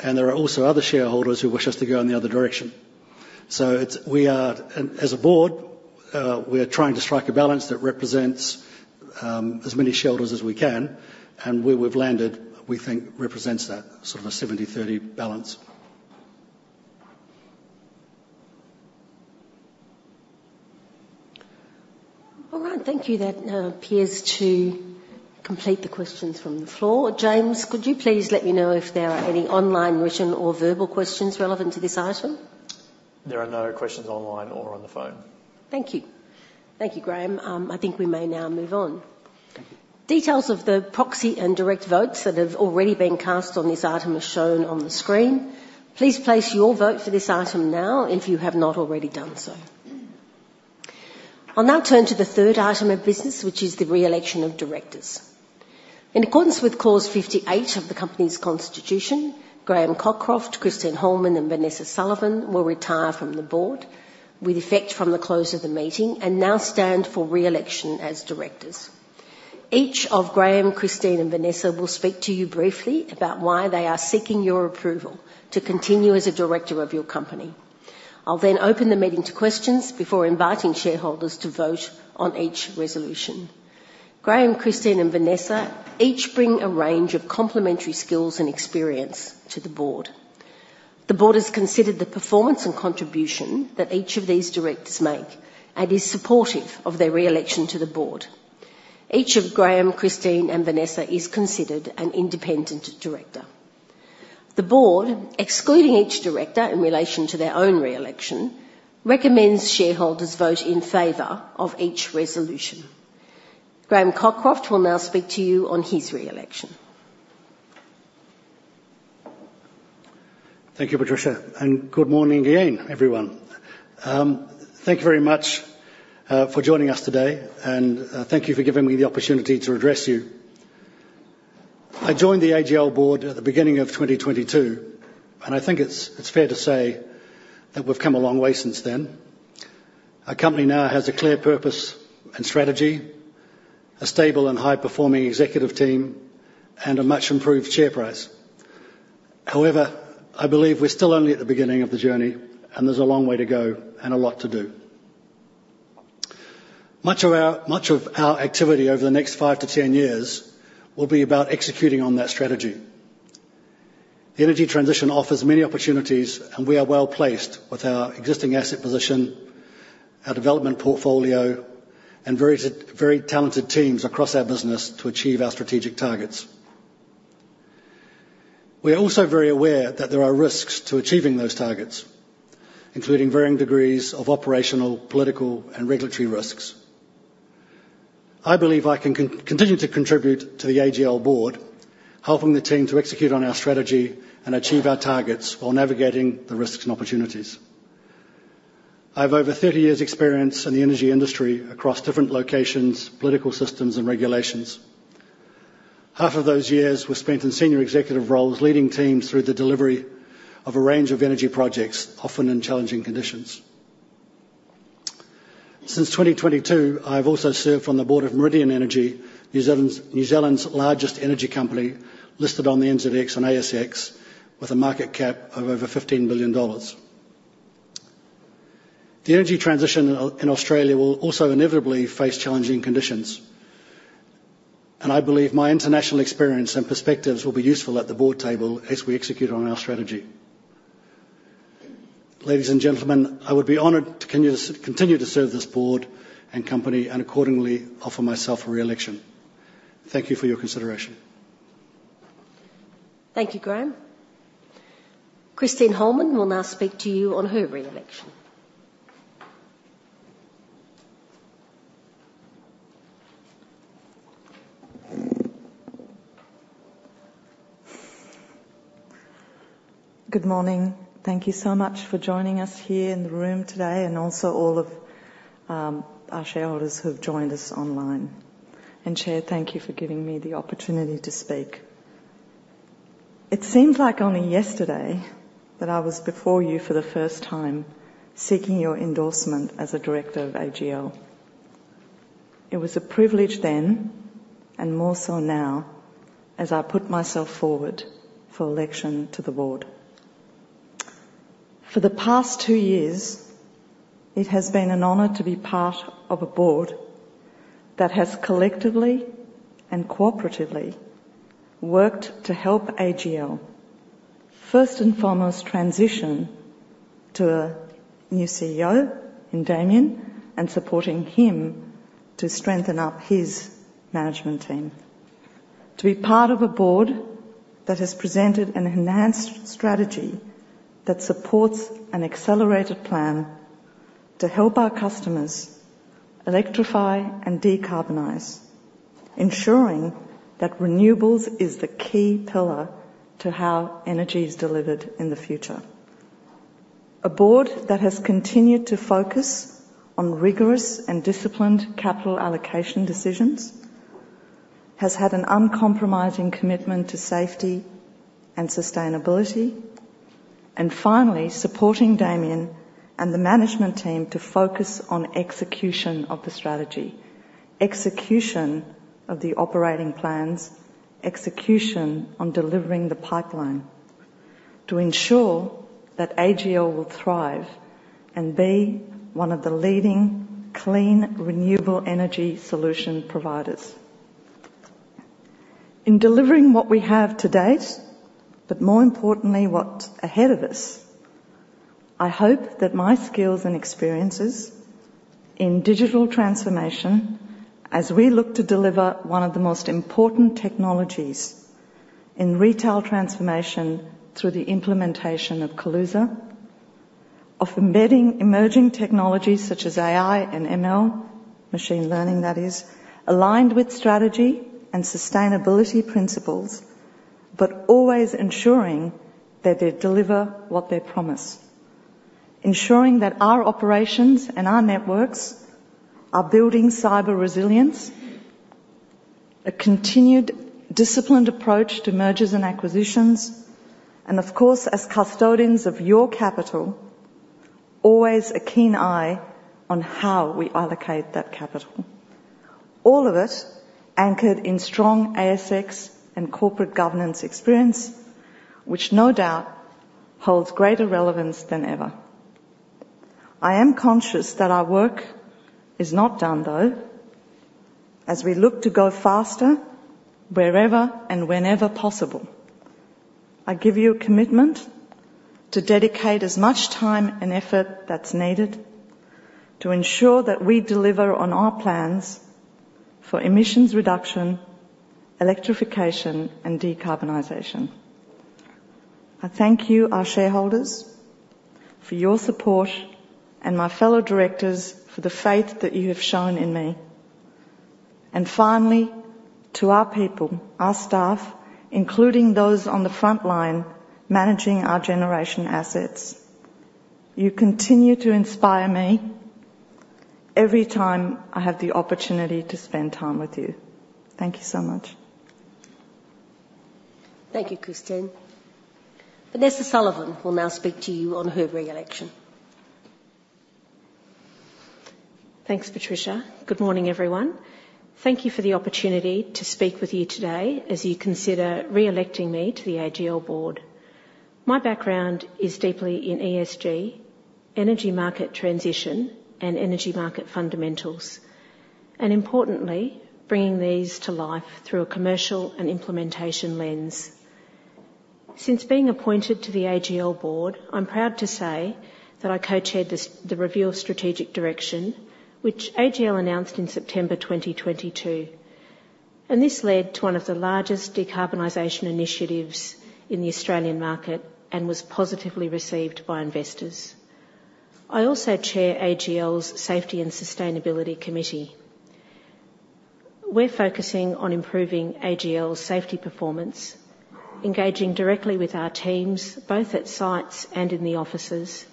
and there are also other shareholders who wish us to go in the other direction. So it's, we are, as a board, we are trying to strike a balance that represents, as many shareholders as we can, and where we've landed, we think, represents that, sort of a 70-30 balance. All right. Thank you. That appears to complete the questions from the floor. James, could you please let me know if there are any online, written, or verbal questions relevant to this item? There are no questions online or on the phone. Thank you. Thank you, Graham. I think we may now move on. Thank you. Details of the proxy and direct votes that have already been cast on this item are shown on the screen. Please place your vote for this item now, if you have not already done so. I'll now turn to the third item of business, which is the re-election of directors. In accordance with Clause fifty-eight of the company's constitution Graham Cockroft, Christine Holman, and Vanessa Sullivan will retire from the board with effect from the close of the meeting and now stand for re-election as directors. Each of Graham, Christine, and Vanessa will speak to you briefly about why they are seeking your approval to continue as a director of your company. I'll then open the meeting to questions before inviting shareholders to vote on each resolution. Graham, Christine, and Vanessa each bring a range of complementary skills and experience to the board. The board has considered the performance and contribution that each of these directors make and is supportive of their re-election to the board. Each of Graham, Christine, and Vanessa is considered an independent director. The board, excluding each director in relation to their own re-election, recommends shareholders vote in favor of each Graham Cockroft will now speak to you on his re-election. Thank you, Patricia, and good morning again, everyone. Thank you very much for joining us today, and thank you for giving me the opportunity to address you. I joined the AGL board at the beginning of 2022, and I think it's fair to say that we've come a long way since then. Our company now has a clear purpose and strategy, a stable and high-performing executive team, and a much-improved share price. However, I believe we're still only at the beginning of the journey, and there's a long way to go and a lot to do. Much of our activity over the next five to ten years will be about executing on that strategy. The energy transition offers many opportunities, and we are well-placed with our existing asset position, our development portfolio, and very talented teams across our business to achieve our strategic targets. We are also very aware that there are risks to achieving those targets, including varying degrees of operational, political, and regulatory risks. I believe I can continue to contribute to the AGL board, helping the team to execute on our strategy and achieve our targets while navigating the risks and opportunities. I have over thirty years' experience in the energy industry across different locations, political systems, and regulations. Half of those years were spent in senior executive roles, leading teams through the delivery of a range of energy projects, often in challenging conditions. Since 2022, I've also served on the board of Meridian Energy, New Zealand's largest energy company, listed on the NZX and ASX, with a market cap of over 15 billion dollars. The energy transition in Australia will also inevitably face challenging conditions, and I believe my international experience and perspectives will be useful at the board table as we execute on our strategy. Ladies and gentlemen, I would be honored to continue to serve this board and company and accordingly offer myself for re-election. Thank you for your consideration. Thank you, Graham. Christine Holman will now speak to you on her re-election. Good morning. Thank you so much for joining us here in the room today, and also all of our shareholders who have joined us online, and Chair, thank you for giving me the opportunity to speak. It seems like only yesterday that I was before you for the first time, seeking your endorsement as a director of AGL. It was a privilege then, and more so now, as I put myself forward for election to the board. For the past two years, it has been an honor to be part of a board that has collectively and cooperatively worked to help AGL, first and foremost, transition to a new CEO in Damien and supporting him to strengthen up his management team. To be part of a board that has presented an enhanced strategy that supports an accelerated plan to help our customers electrify and decarbonize, ensuring that renewables is the key pillar to how energy is delivered in the future. A board that has continued to focus on rigorous and disciplined capital allocation decisions, has had an uncompromising commitment to safety and sustainability, and finally, supporting Damien and the management team to focus on execution of the strategy, execution of the operating plans, execution on delivering the pipeline to ensure that AGL will thrive and be one of the leading clean, renewable energy solution providers. In delivering what we have to date, but more importantly, what's ahead of us, I hope that my skills and experiences in digital transformation as we look to deliver one of the most important technologies in retail transformation through the implementation of Kaluza, of embedding emerging technologies such as AI and ML, machine learning that is, aligned with strategy and sustainability principles, but always ensuring that they deliver what they promise. Ensuring that our operations and our networks are building cyber resilience, a continued disciplined approach to mergers and acquisitions, and of course, as custodians of your capital, always a keen eye on how we allocate that capital. All of it anchored in strong ASX and corporate governance experience, which no doubt holds greater relevance than ever. I am conscious that our work is not done, though. As we look to go faster, wherever and whenever possible, I give you a commitment to dedicate as much time and effort that's needed to ensure that we deliver on our plans for emissions reduction, electrification, and decarbonization. I thank you, our shareholders, for your support and my fellow directors for the faith that you have shown in me. ...and finally, to our people, our staff, including those on the frontline managing our generation assets, you continue to inspire me every time I have the opportunity to spend time with you. Thank you so much. Thank you, Christine. Vanessa Sullivan will now speak to you on her re-election. Thanks, Patricia. Good morning, everyone. Thank you for the opportunity to speak with you today as you consider re-electing me to the AGL board. My background is deeply in ESG, energy market transition, and energy market fundamentals, and importantly, bringing these to life through a commercial and implementation lens. Since being appointed to the AGL board, I'm proud to say that I co-chaired this, the Review of Strategic Direction, which AGL announced in September 2022. This led to one of the largest decarbonization initiatives in the Australian market and was positively received by investors. I also chair AGL's Safety and Sustainability Committee. We're focusing on improving AGL's safety performance, engaging directly with our teams, both at sites and in the offices,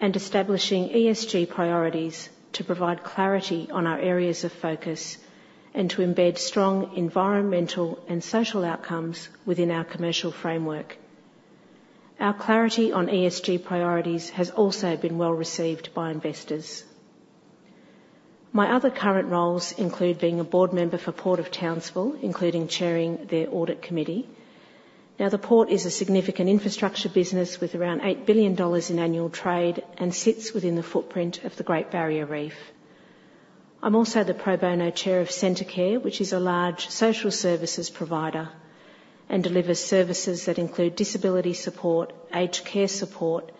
and establishing ESG priorities to provide clarity on our areas of focus, and to embed strong environmental and social outcomes within our commercial framework. Our clarity on ESG priorities has also been well received by investors. My other current roles include being a board member for Port of Townsville, including chairing their Audit Committee. Now, the Port is a significant infrastructure business with around 8 billion dollars in annual trade and sits within the footprint of the Great Barrier Reef. I'm also the pro bono Chair of Centacare, which is a large social services provider, and delivers services that include disability support, aged care support,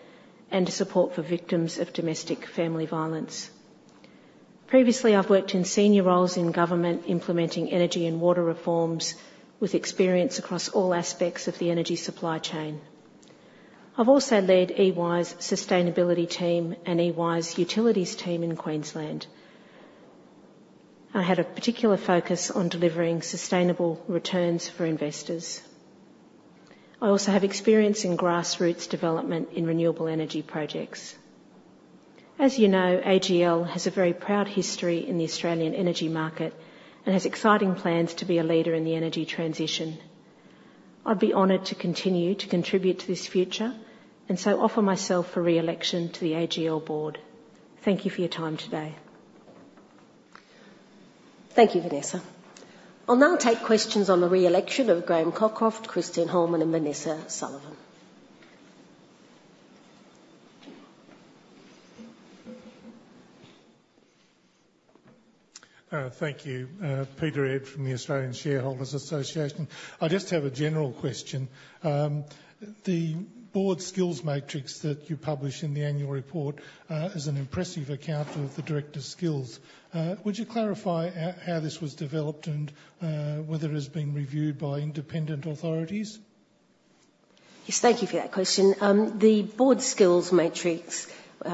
and support for victims of domestic family violence. Previously, I've worked in senior roles in government, implementing energy and water reforms, with experience across all aspects of the energy supply chain. I've also led EY's sustainability team and EY's utilities team in Queensland. I had a particular focus on delivering sustainable returns for investors. I also have experience in grassroots development in renewable energy projects. As you know, AGL has a very proud history in the Australian energy market and has exciting plans to be a leader in the energy transition. I'd be honored to continue to contribute to this future, and so offer myself for re-election to the AGL board. Thank you for your time today. Thank you, Vanessa. I'll now take questions on the re-election Graham Cockroft, christine Holman, and Vanessa Sullivan. Thank you. Peter Aird from the Australian Shareholders' Association. I just have a general question. The board skills matrix that you publish in the annual report is an impressive account of the directors' skills. Would you clarify how this was developed and whether it has been reviewed by independent authorities? Yes, thank you for that question. The board skills matrix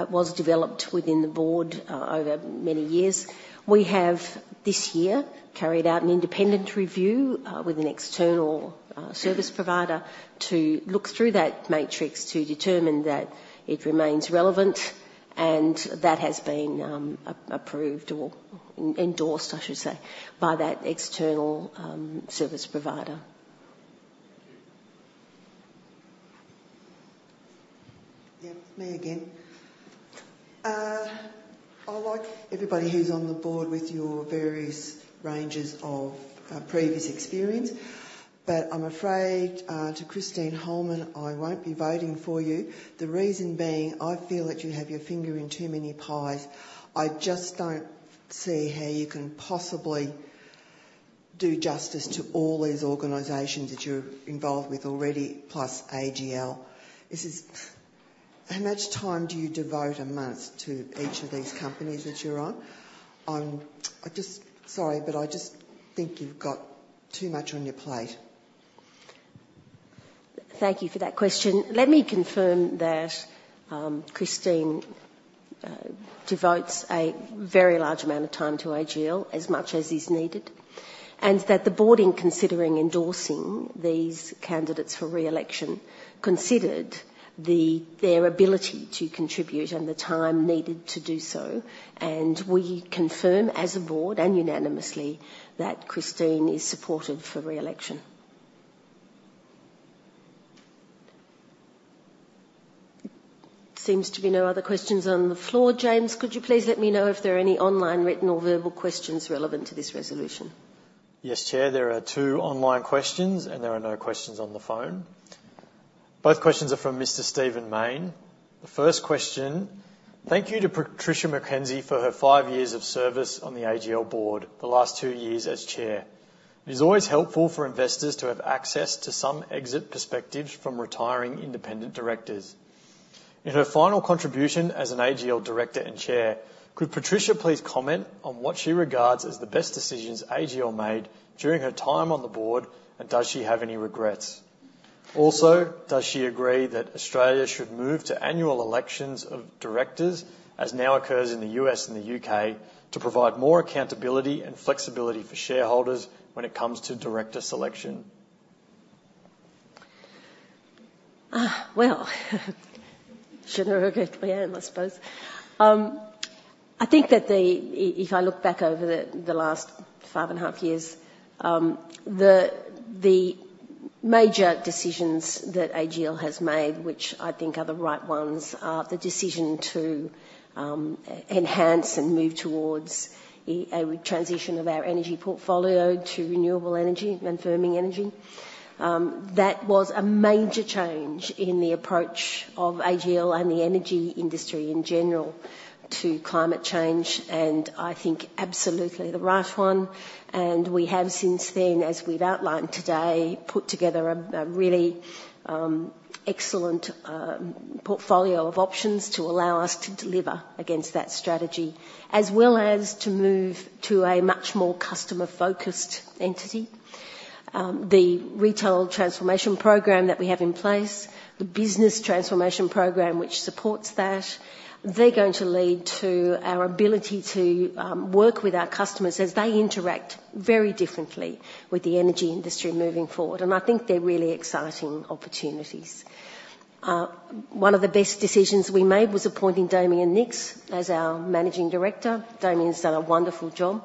was developed within the board over many years. We have, this year, carried out an independent review with an external service provider to look through that matrix to determine that it remains relevant, and that has been approved or endorsed, I should say, by that external service provider. Yeah, me again. I like everybody who's on the board with your various ranges of previous experience, but I'm afraid to Christine Holman, I won't be voting for you. The reason being, I feel that you have your finger in too many pies. I just don't see how you can possibly do justice to all these organizations that you're involved with already, plus AGL. This is... How much time do you devote a month to each of these companies that you're on? Sorry, but I just think you've got too much on your plate. Thank you for that question. Let me confirm that, Christine, devotes a very large amount of time to AGL, as much as is needed, and that the board, in considering endorsing these candidates for re-election, considered the, their ability to contribute and the time needed to do so, and we confirm, as a board, and unanimously, that Christine is supported for re-election. Seems to be no other questions on the floor. James, could you please let me know if there are any online, written, or verbal questions relevant to this resolution? Yes, Chair. There are two online questions, and there are no questions on the phone. Both questions are from Mr. Stephen Mayne. The first question: Thank you to Patricia McKenzie for her five years of service on the AGL board, the last two years as chair. It is always helpful for investors to have access to some exit perspectives from retiring independent directors. In her final contribution as an AGL director and chair, could Patricia please comment on what she regards as the best decisions AGL made during her time on the board, and does she have any regrets? Also, does she agree that Australia should move to annual elections of directors, as now occurs in the U.S. and the U.K., to provide more accountability and flexibility for shareholders when it comes to director selection? Well, shouldn't have looked at Leanne, I suppose. I think that if I look back over the last five and a half years, the major decisions that AGL has made, which I think are the right ones, are the decision to enhance and move towards a transition of our energy portfolio to renewable energy and firming energy. That was a major change in the approach of AGL and the energy industry in general to climate change, and I think absolutely the right one, and we have since then, as we've outlined today, put together a really excellent portfolio of options to allow us to deliver against that strategy, as well as to move to a much more customer-focused entity. The Retail Transformation Program that we have in place, the business transformation program, which supports that, they're going to lead to our ability to work with our customers as they interact very differently with the energy industry moving forward, and I think they're really exciting opportunities. One of the best decisions we made was appointing Damien Nicks as our Managing Director. Damien's done a wonderful job,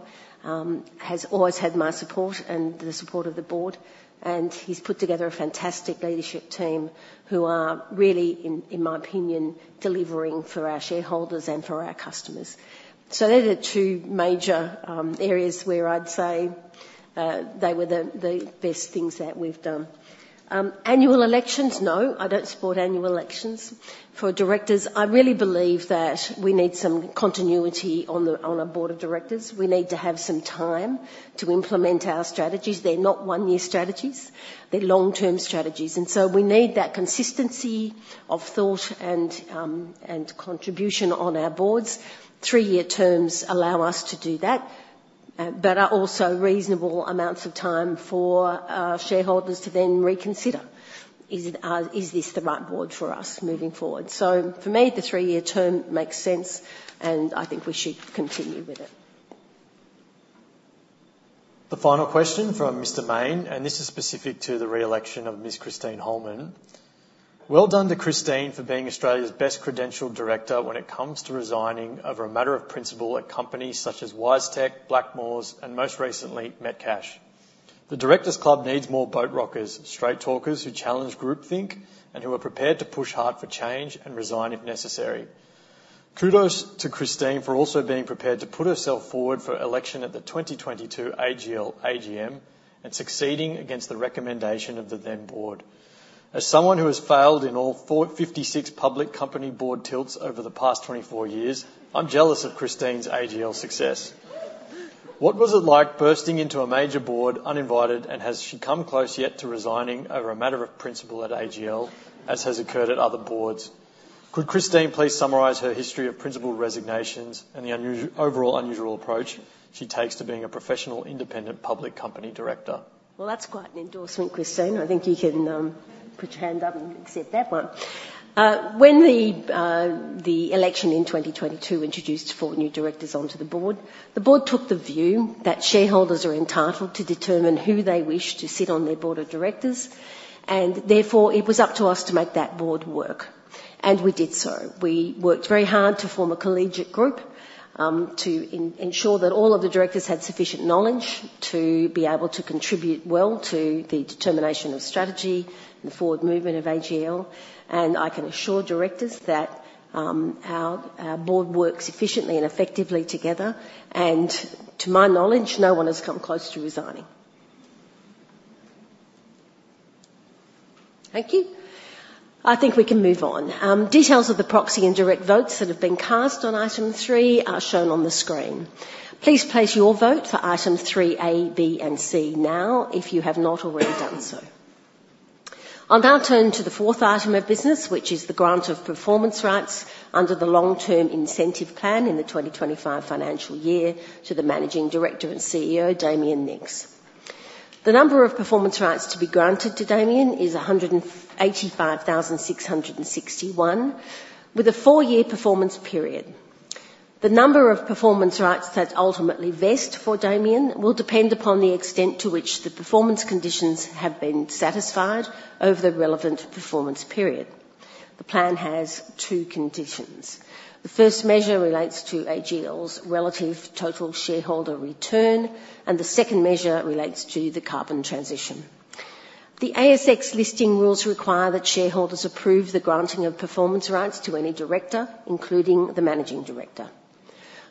has always had my support and the support of the board, and he's put together a fantastic leadership team who are really, in, in my opinion, delivering for our shareholders and for our customers. So they're the two major areas where I'd say, they were the best things that we've done. Annual elections, no, I don't support annual elections for directors. I really believe that we need some continuity on the, on our board of directors. We need to have some time to implement our strategies. They're not one-year strategies, they're long-term strategies, and so we need that consistency of thought and contribution on our boards. Three-year terms allow us to do that, but are also reasonable amounts of time for shareholders to then reconsider. Is this the right board for us moving forward? For me, the three-year term makes sense, and I think we should continue with it. The final question from Mr. Mayne, and this is specific to the re-election of Ms. Christine Holman. Well done to Christine for being Australia's best-credentialed director when it comes to resigning over a matter of principle at companies such as WiseTech, Blackmores, and most recently, Metcash. The Directors' Club needs more boat rockers, straight talkers who challenge groupthink and who are prepared to push hard for change and resign if necessary. Kudos to Christine for also being prepared to put herself forward for election at the 2022 AGL AGM and succeeding against the recommendation of the then board. As someone who has failed in all fifty-six public company board tilts over the past twenty-four years, I'm jealous of Christine's AGL success. What was it like bursting into a major board uninvited, and has she come close yet to resigning over a matter of principle at AGL, as has occurred at other boards? Could Christine please summarize her history of principle resignations and the overall unusual approach she takes to being a professional, independent public company director? That's quite an endorsement, Christine. I think you can put your hand up and accept that one. When the election in 2022 introduced four new directors onto the board, the board took the view that shareholders are entitled to determine who they wish to sit on their board of directors, and therefore, it was up to us to make that board work, and we did so. We worked very hard to form a collegiate group to ensure that all of the directors had sufficient knowledge to be able to contribute well to the determination of strategy and the forward movement of AGL, and I can assure directors that our board works efficiently and effectively together, and to my knowledge, no one has come close to resigning. Thank you. I think we can move on. Details of the proxy and direct votes that have been cast on item three are shown on the screen. Please place your vote for item three A, B, and C now if you have not already done so. I'll now turn to the fourth item of business, which is the grant of performance rights under the Long Term Incentive Plan in the 2025 financial year to the Managing Director and CEO, Damien Nicks. The number of performance rights to be granted to Damien is 185,661, with a four-year performance period. The number of performance rights that ultimately vest for Damien will depend upon the extent to which the performance conditions have been satisfied over the relevant performance period. The plan has two conditions. The first measure relates to AGL's relative total shareholder return, and the second measure relates to the carbon transition. The ASX listing rules require that shareholders approve the granting of performance rights to any director, including the managing director.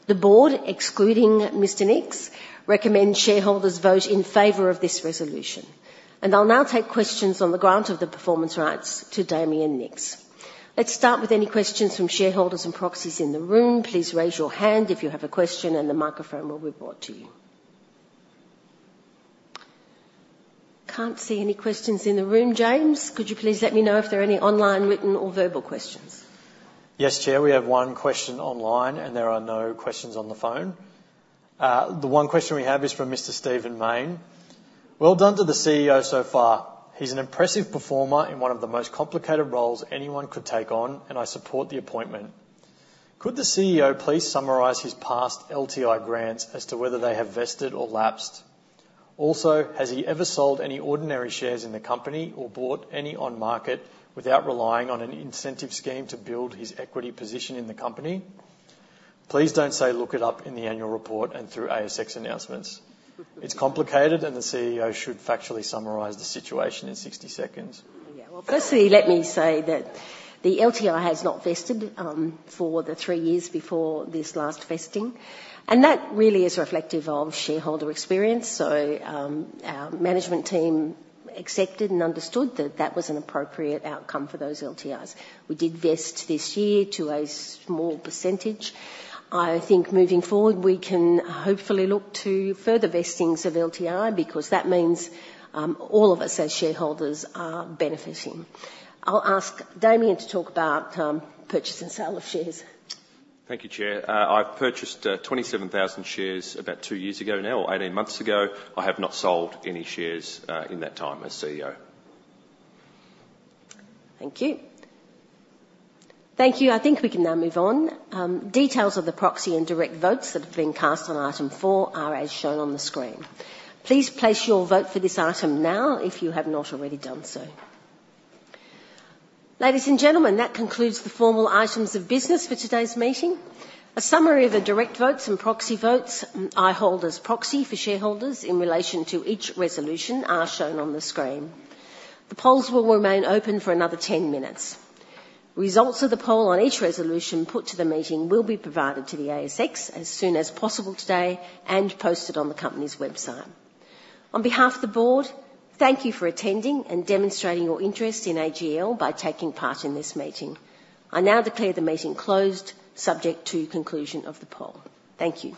The board, excluding Mr. Nicks, recommends shareholders vote in favor of this resolution, and I'll now take questions on the grant of the performance rights to Damien Nicks. Let's start with any questions from shareholders and proxies in the room. Please raise your hand if you have a question, and the microphone will be brought to you. Can't see any questions in the room. James, could you please let me know if there are any online, written, or verbal questions? Yes, Chair, we have one question online, and there are no questions on the phone. The one question we have is from Mr. Stephen Mayne: Well done to the CEO so far. He's an impressive performer in one of the most complicated roles anyone could take on, and I support the appointment. Could the CEO please summarize his past LTI grants as to whether they have vested or lapsed? Also, has he ever sold any ordinary shares in the company or bought any on market without relying on an incentive scheme to build his equity position in the company? Please don't say, "Look it up in the annual report and through ASX announcements." It's complicated, and the CEO should factually summarize the situation in sixty seconds. Yeah. Well, firstly, let me say that the LTI has not vested, for the three years before this last vesting, and that really is reflective of shareholder experience. So, our management team accepted and understood that that was an appropriate outcome for those LTIs. We did vest this year to a small percentage. I think moving forward, we can hopefully look to further vestings of LTI because that means, all of us as shareholders are benefiting. I'll ask Damien to talk about, purchase and sale of shares. Thank you, Chair. I purchased twenty-seven thousand shares about two years ago now, or eighteen months ago. I have not sold any shares in that time as CEO. Thank you. Thank you. I think we can now move on. Details of the proxy and direct votes that have been cast on Item four are as shown on the screen. Please place your vote for this item now, if you have not already done so. Ladies and gentlemen, that concludes the formal items of business for today's meeting. A summary of the direct votes and proxy votes, I hold as proxy for shareholders in relation to each resolution are shown on the screen. The polls will remain open for another 10 minutes. Results of the poll on each resolution put to the meeting will be provided to the ASX as soon as possible today and posted on the company's website. On behalf of the board, thank you for attending and demonstrating your interest in AGL by taking part in this meeting. I now declare the meeting closed, subject to conclusion of the poll. Thank you.